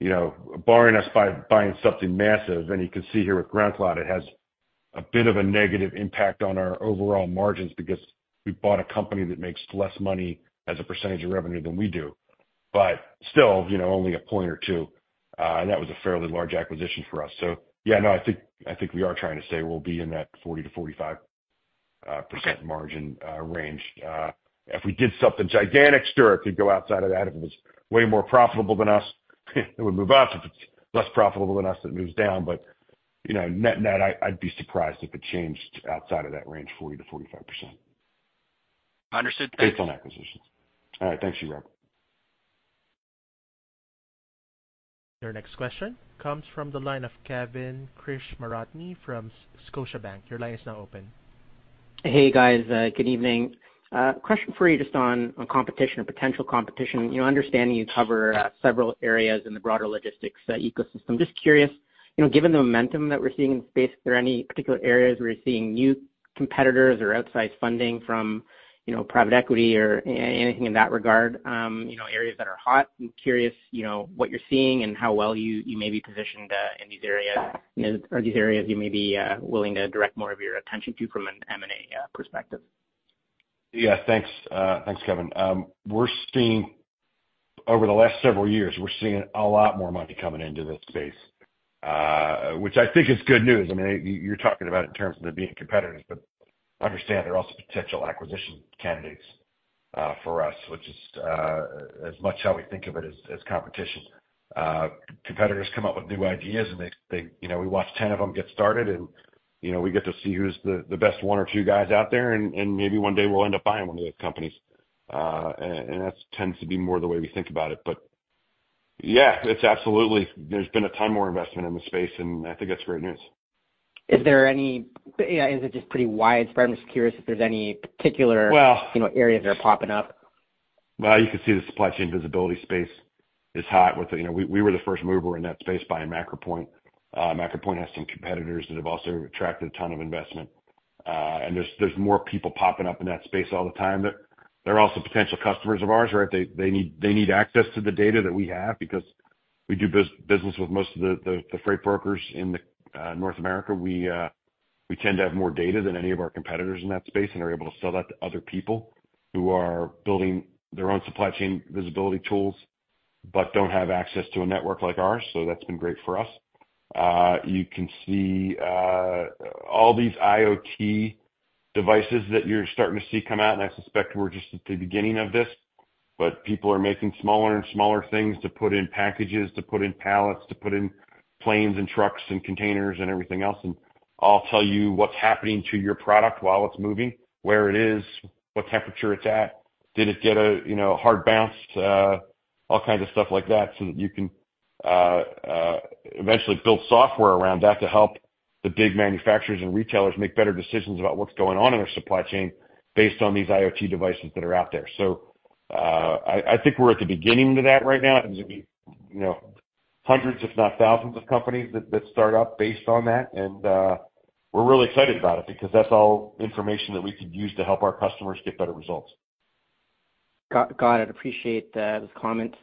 You know, barring us buying something massive, and you can see here with GroundCloud, it has a bit of a negative impact on our overall margins because we bought a company that makes less money as a percentage of revenue than we do, but still, you know, only a point or two. And that was a fairly large acquisition for us. Yeah, no, I think we are trying to say we'll be in that 40%-45% margin range. If we did something gigantic, sure, it could go outside of that. If it was way more profitable than us, it would move up. If it's less profitable than us, it moves down. You know, net-net, I'd be surprised if it changed outside of that range, 40%-45%. Understood. Thank you. Based on acquisitions. All right. Thank you, Rob. Your next question comes from the line of Kevin Krishnaratne from Scotiabank. Your line is now open. Hey, guys, good evening. Question for you just on competition or potential competition. You know, understanding you cover, several areas in the broader logistics ecosystem. Just curious, you know, given the momentum that we're seeing in the space, are there any particular areas where you're seeing new competitors or outsized funding from, you know, private equity or anything in that regard? You know, areas that are hot. I'm curious, you know, what you're seeing and how well you may be positioned, in these areas, you know, are these areas you may be willing to direct more of your attention to from an M&A perspective. Yeah, thanks. Thanks, Kevin. Over the last several years, we're seeing a lot more money coming into this space, which I think is good news. I mean, you're talking about in terms of it being competitive, but understand they're also potential acquisition candidates for us, which is as much how we think of it as competition. Competitors come up with new ideas, and they, you know, we watch 10 of them get started and, you know, we get to see who's the best one or two guys out there, and maybe one day we'll end up buying one of the companies. And that tends to be more the way we think about it. Yeah, it's absolutely. There's been a ton more investment in the space, and I think that's great news. Yeah, is it just pretty widespread? I'm just curious if there's any particular. Well- You know, areas that are popping up. Well, you can see the supply chain visibility space is hot. You know, we were the first mover in that space buying MacroPoint. MacroPoint has some competitors that have also attracted a ton of investment. There's more people popping up in that space all the time. They're also potential customers of ours, right? They need access to the data that we have because we do business with most of the freight brokers in North America. We tend to have more data than any of our competitors in that space and are able to sell that to other people who are building their own supply chain visibility tools, but don't have access to a network like ours. That's been great for us. You can see all these IoT devices that you're starting to see come out. I suspect we're just at the beginning of this. People are making smaller and smaller things to put in packages, to put in pallets, to put in planes and trucks and containers and everything else. I'll tell you what's happening to your product while it's moving, where it is, what temperature it's at. Did it get a, you know, hard bounce? all kinds of stuff like that, so that you can eventually build software around that to help the big manufacturers and retailers make better decisions about what's going on in their supply chain based on these IoT devices that are out there. I think we're at the beginning of that right now. There's gonna be, you know, hundreds if not thousands of companies that start up based on that. We're really excited about it because that's all information that we could use to help our customers get better results. Got it. Appreciate those comments.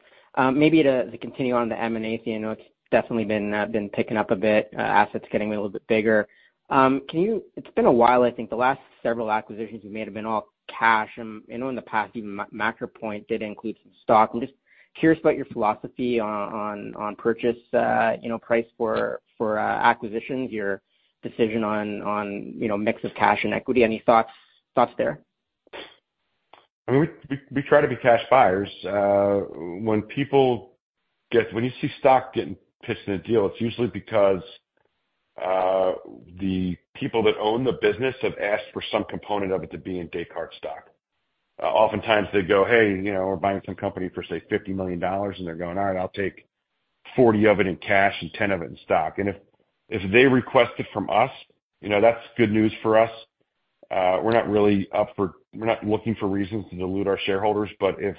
Maybe to continue on the M&A theme. I know it's definitely been picking up a bit, assets getting a little bit bigger. It's been a while, I think. The last several acquisitions you made have been all cash. I know in the past even MacroPoint did include some stock. I'm just curious about your philosophy on purchase, you know, price for acquisitions, your decision on, you know, mix of cash and equity. Any thoughts there? I mean, we try to be cash buyers. When you see stock getting priced in a deal, it's usually because the people that own the business have asked for some component of it to be in Descartes' stock. Oftentimes they go, "Hey," you know, we're buying some company for, say, $50 million, and they're going, "All right, I'll take 40 of it in cash and 10 of it in stock." If they request it from us, you know, that's good news for us. We're not really looking for reasons to dilute our shareholders. If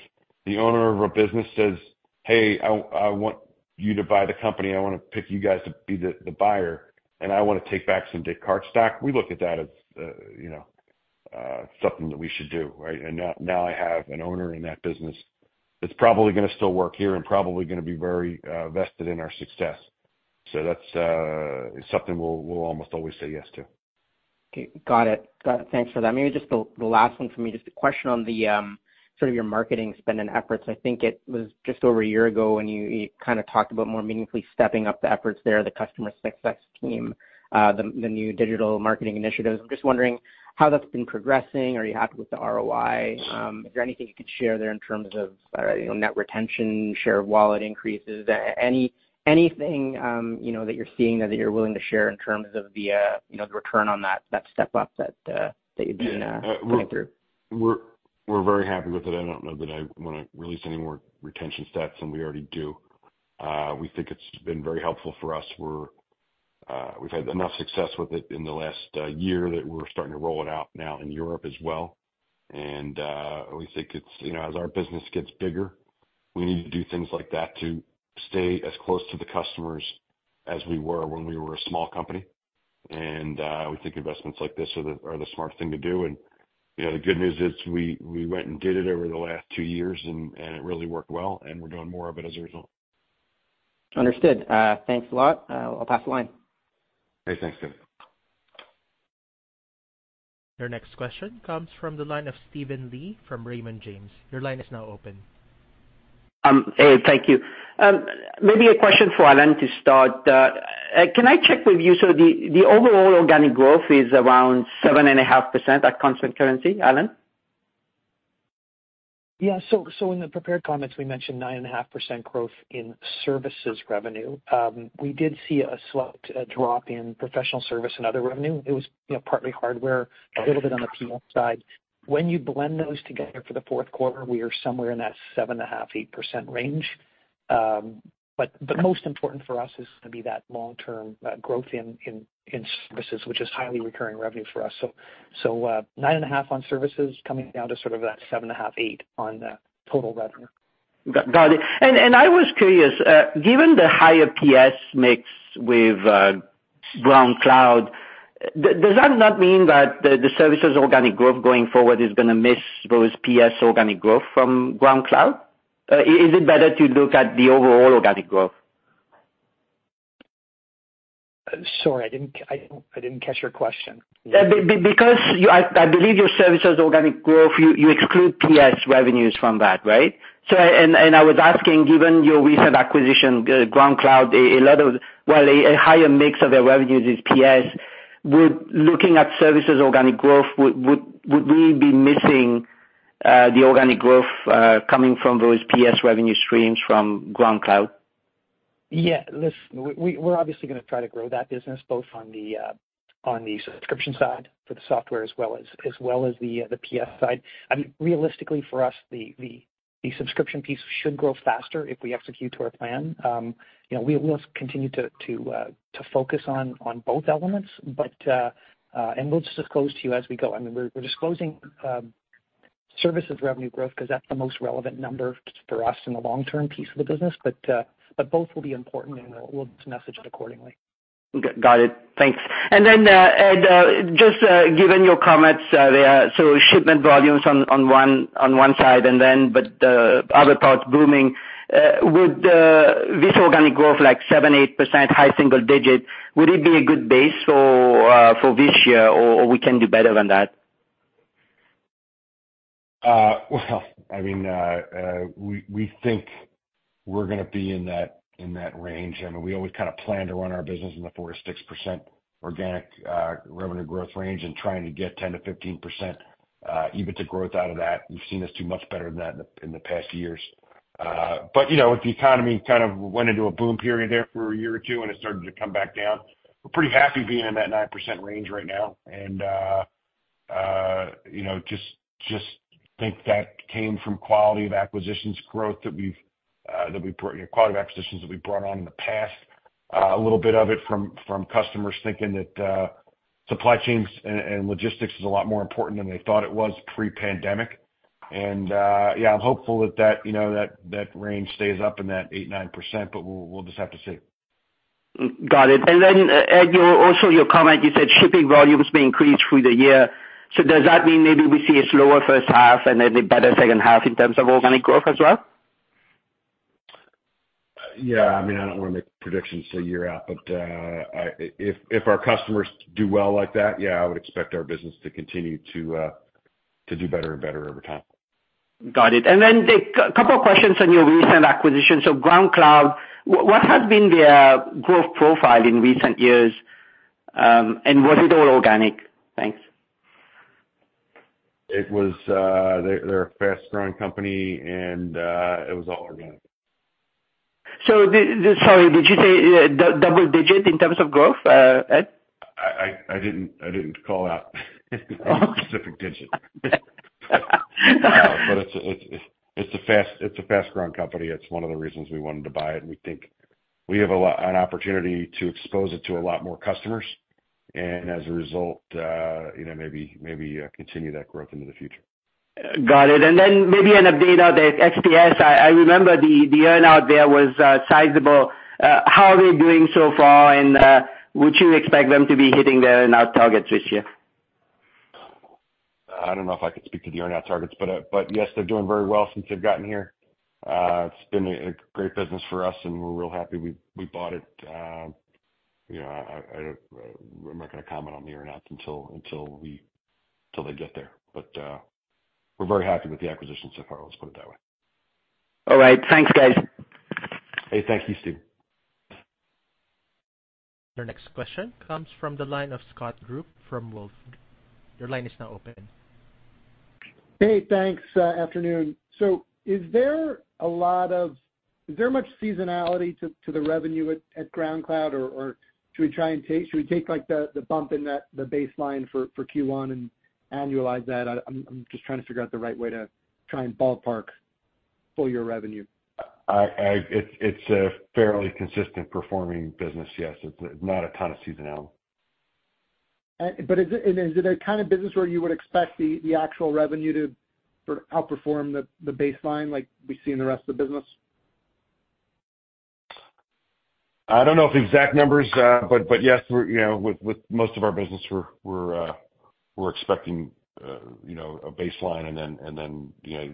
the owner of a business says, "Hey, I want you to buy the company. I wanna pick you guys to be the buyer, and I wanna take back some Descartes stock," we look at that as, you know, something that we should do, right? Now, now I have an owner in that business that's probably gonna still work here and probably gonna be very vested in our success. That's something we'll almost always say yes to. Okay. Got it. Got it. Thanks for that. Maybe just the last one for me, just a question on the sort of your marketing spend and efforts. I think it was just over a year ago when you kinda talked about more meaningfully stepping up the efforts there, the customer success team, the new digital marketing initiatives. I'm just wondering how that's been progressing. Are you happy with the ROI? Is there anything you could share there in terms of, you know, net retention, share of wallet increases? Anything, you know, that you're seeing or that you're willing to share in terms of, you know, the return on that step up that you've been going through? Yeah. We're very happy with it. I don't know that I wanna release any more retention stats than we already do. We think it's been very helpful for us. We've had enough success with it in the last year that we're starting to roll it out now in Europe as well. We think it's, you know, as our business gets bigger, we need to do things like that to stay as close to the customers as we were when we were a small company. We think investments like this are the smart thing to do. You know, the good news is we went and did it over the last two years and it really worked well, and we're doing more of it as a result. Understood. Thanks a lot. I'll pass the line. Hey, thanks, Tim. Your next question comes from the line of Steven Li from Raymond James. Your line is now open. Hey, thank you. Maybe a question for Alan to start. Can I check with you? The, the overall organic growth is around 7.5% at constant currency, Alan? In the prepared comments, we mentioned 9.5% growth in services revenue. We did see a slight drop in professional service and other revenue. It was, you know, partly hardware, a little bit on the PM side. When you blend those together for the fourth quarter, we are somewhere in that 7.5%-8% range. Most important for us is going to be that long-term growth in services, which is highly recurring revenue for us. 9.5 on services coming down to sort of that 7.5-8 on the total revenue. Got it. I was curious, given the higher PS mix with GroundCloud, does that not mean that the services organic growth going forward is gonna miss those PS organic growth from GroundCloud? Is it better to look at the overall organic growth? Sorry, I didn't catch your question. Because you I believe your services organic growth, you exclude PS revenues from that, right? I was asking, given your recent acquisition, GroundCloud, a lot of while a higher mix of their revenues is PS, would looking at services organic growth, would we be missing the organic growth coming from those PS revenue streams from GroundCloud? Yeah, listen, we're obviously gonna try to grow that business both on the on the subscription side for the software as well as the P.F. side. I mean, realistically for us, the subscription piece should grow faster if we execute to our plan. You know, we'll continue to focus on both elements, but and we'll just disclose to you as we go. I mean, we're disclosing services revenue growth 'cause that's the most relevant number for us in the long-term piece of the business. Both will be important, and we'll just message it accordingly. Got it. Thanks. Ed, just given your comments there, so shipment volumes on one side and then but other parts booming, would this organic growth like 7%, 8% high single digit, would it be a good base for this year, or we can do better than that? Well I mean, we think we're gonna be in that, in that range. I mean, we always kinda plan to run our business in the 4% to 6% organic revenue growth range and trying to get 10% to 15% EBITDA growth out of that. We've seen us do much better than that in the past years. You know, the economy kind of went into a boom period there for a year or two, and it started to come back down. We're pretty happy being in that 9% range right now and, you know, just think that came from quality of acquisitions growth that we've quality of acquisitions that we've brought on in the past. A little bit of it from customers thinking that supply chains and logistics is a lot more important than they thought it was pre-pandemic. I'm hopeful that, you know, that range stays up in that 8%-9%, but we'll just have to see. Got it. Ed, also your comment, you said shipping volumes may increase through the year. Does that mean maybe we see a slower first half and then a better second half in terms of organic growth as well? Yeah. I mean, I don't wanna make predictions a year out, but If our customers do well like that, yeah, I would expect our business to continue to do better and better over time. Got it. Couple questions on your recent acquisitions. GroundCloud, what has been their growth profile in recent years, and was it all organic? Thanks. It was. They're a fast-growing company, and it was all organic. Sorry, did you say double digit in terms of growth, Ed? I didn't call out a specific digit. It's a fast-growing company. It's one of the reasons we wanted to buy it. We think we have an opportunity to expose it to a lot more customers and as a result, you know, maybe continue that growth into the future. Got it. Maybe an update on the XPS. I remember the earn out there was sizable. How are they doing so far? Would you expect them to be hitting their earn out targets this year? I don't know if I can speak to the earn out targets, but yes, they're doing very well since they've gotten here. It's been a great business for us, and we're real happy we bought it. You know, I'm not gonna comment on the earn out until they get there. We're very happy with the acquisition so far, let's put it that way. All right. Thanks, guys. Hey, thanks. You too. Your next question comes from the line of Scott Group from Wolfe. Your line is now open. Hey, thanks. Afternoon. Is there much seasonality to the revenue at GroundCloud? Should we take like the bump in the baseline for Q1 and annualize that? I'm just trying to figure out the right way to try and ballpark full year revenue. It's a fairly consistent performing business. Yes. It's not a ton of seasonality. Is it a kind of business where you would expect the actual revenue to sort of outperform the baseline like we see in the rest of the business? I don't know the exact numbers, but yes, we're, you know, with most of our business, we're expecting, you know, a baseline and then, you know,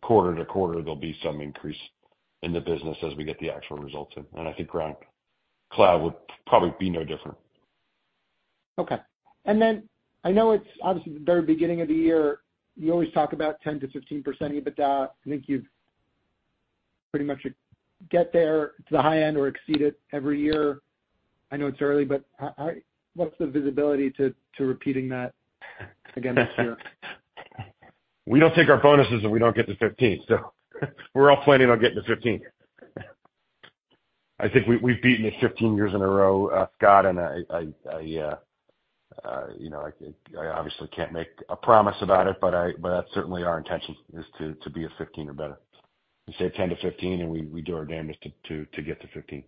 quarter to quarter there'll be some increase in the business as we get the actual results in. I think GroundCloud would probably be no different. Okay. I know it's obviously the very beginning of the year. You always talk about 10%-15%, but I think you've pretty much get there to the high end or exceed it every year. I know it's early, but what's the visibility to repeating that again this year? We don't take our bonuses if we don't get to 15. We're all planning on getting to 15. I think we've beaten it 15 years in a row, Scott. I, you know, I obviously can't make a promise about it, but that's certainly our intention is to be a 15 or better. We say 10 to 15. We do our damage to get to 15.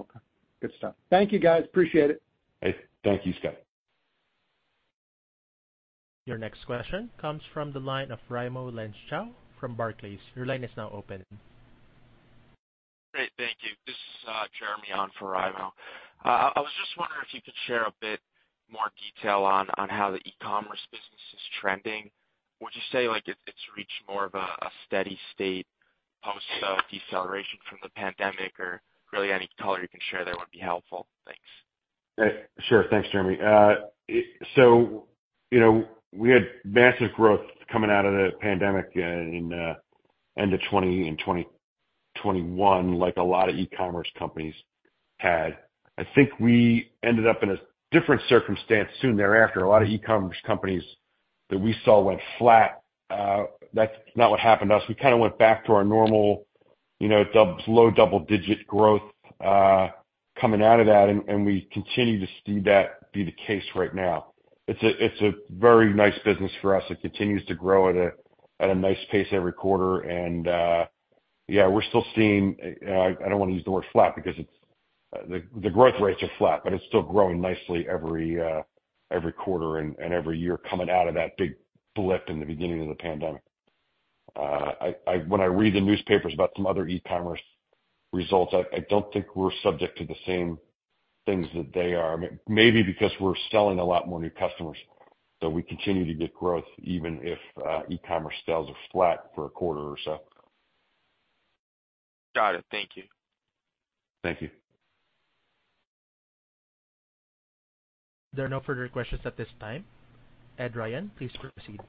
Okay. Good stuff. Thank you, guys. Appreciate it. Hey, thank you, Scott. Your next question comes from the line of Raimo Lenschow from Barclays. Your line is now open. Great. Thank you. This is Jeremy on for Raimo. I was just wondering if you could share a bit more detail on how the e-commerce business is trending. Would you say like it's reached more of a steady state post deceleration from the pandemic? Really any color you can share there would be helpful. Thanks. Sure. Thanks, Jeremy. You know, we had massive growth coming out of the pandemic in end of 2020 and 2021 like a lot of e-commerce companies had. I think we ended up in a different circumstance soon thereafter. A lot of e-commerce companies that we saw went flat. That's not what happened to us. We kinda went back to our normal, you know, low double digit growth coming out of that, and we continue to see that be the case right now. It's a, it's a very nice business for us. It continues to grow at a, at a nice pace every quarter. Yeah, we're still seeing. I don't wanna use the word flat because it's... The growth rates are flat, but it's still growing nicely every quarter and every year coming out of that big blip in the beginning of the pandemic. When I read the newspapers about some other e-commerce results, I don't think we're subject to the same things that they are. Maybe because we're selling a lot more new customers, so we continue to get growth even if e-commerce sales are flat for a quarter or so. Got it. Thank you. Thank you. There are no further questions at this time. Ed Ryan, please proceed.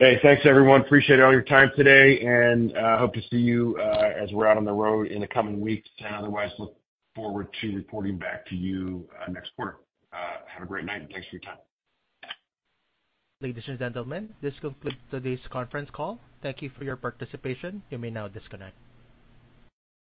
Hey, thanks, everyone. Appreciate all your time today, and hope to see you as we're out on the road in the coming weeks. Otherwise, look forward to reporting back to you next quarter. Have a great night, and thanks for your time. Ladies and gentlemen, this completes today's conference call. Thank you for your participation. You may now disconnect.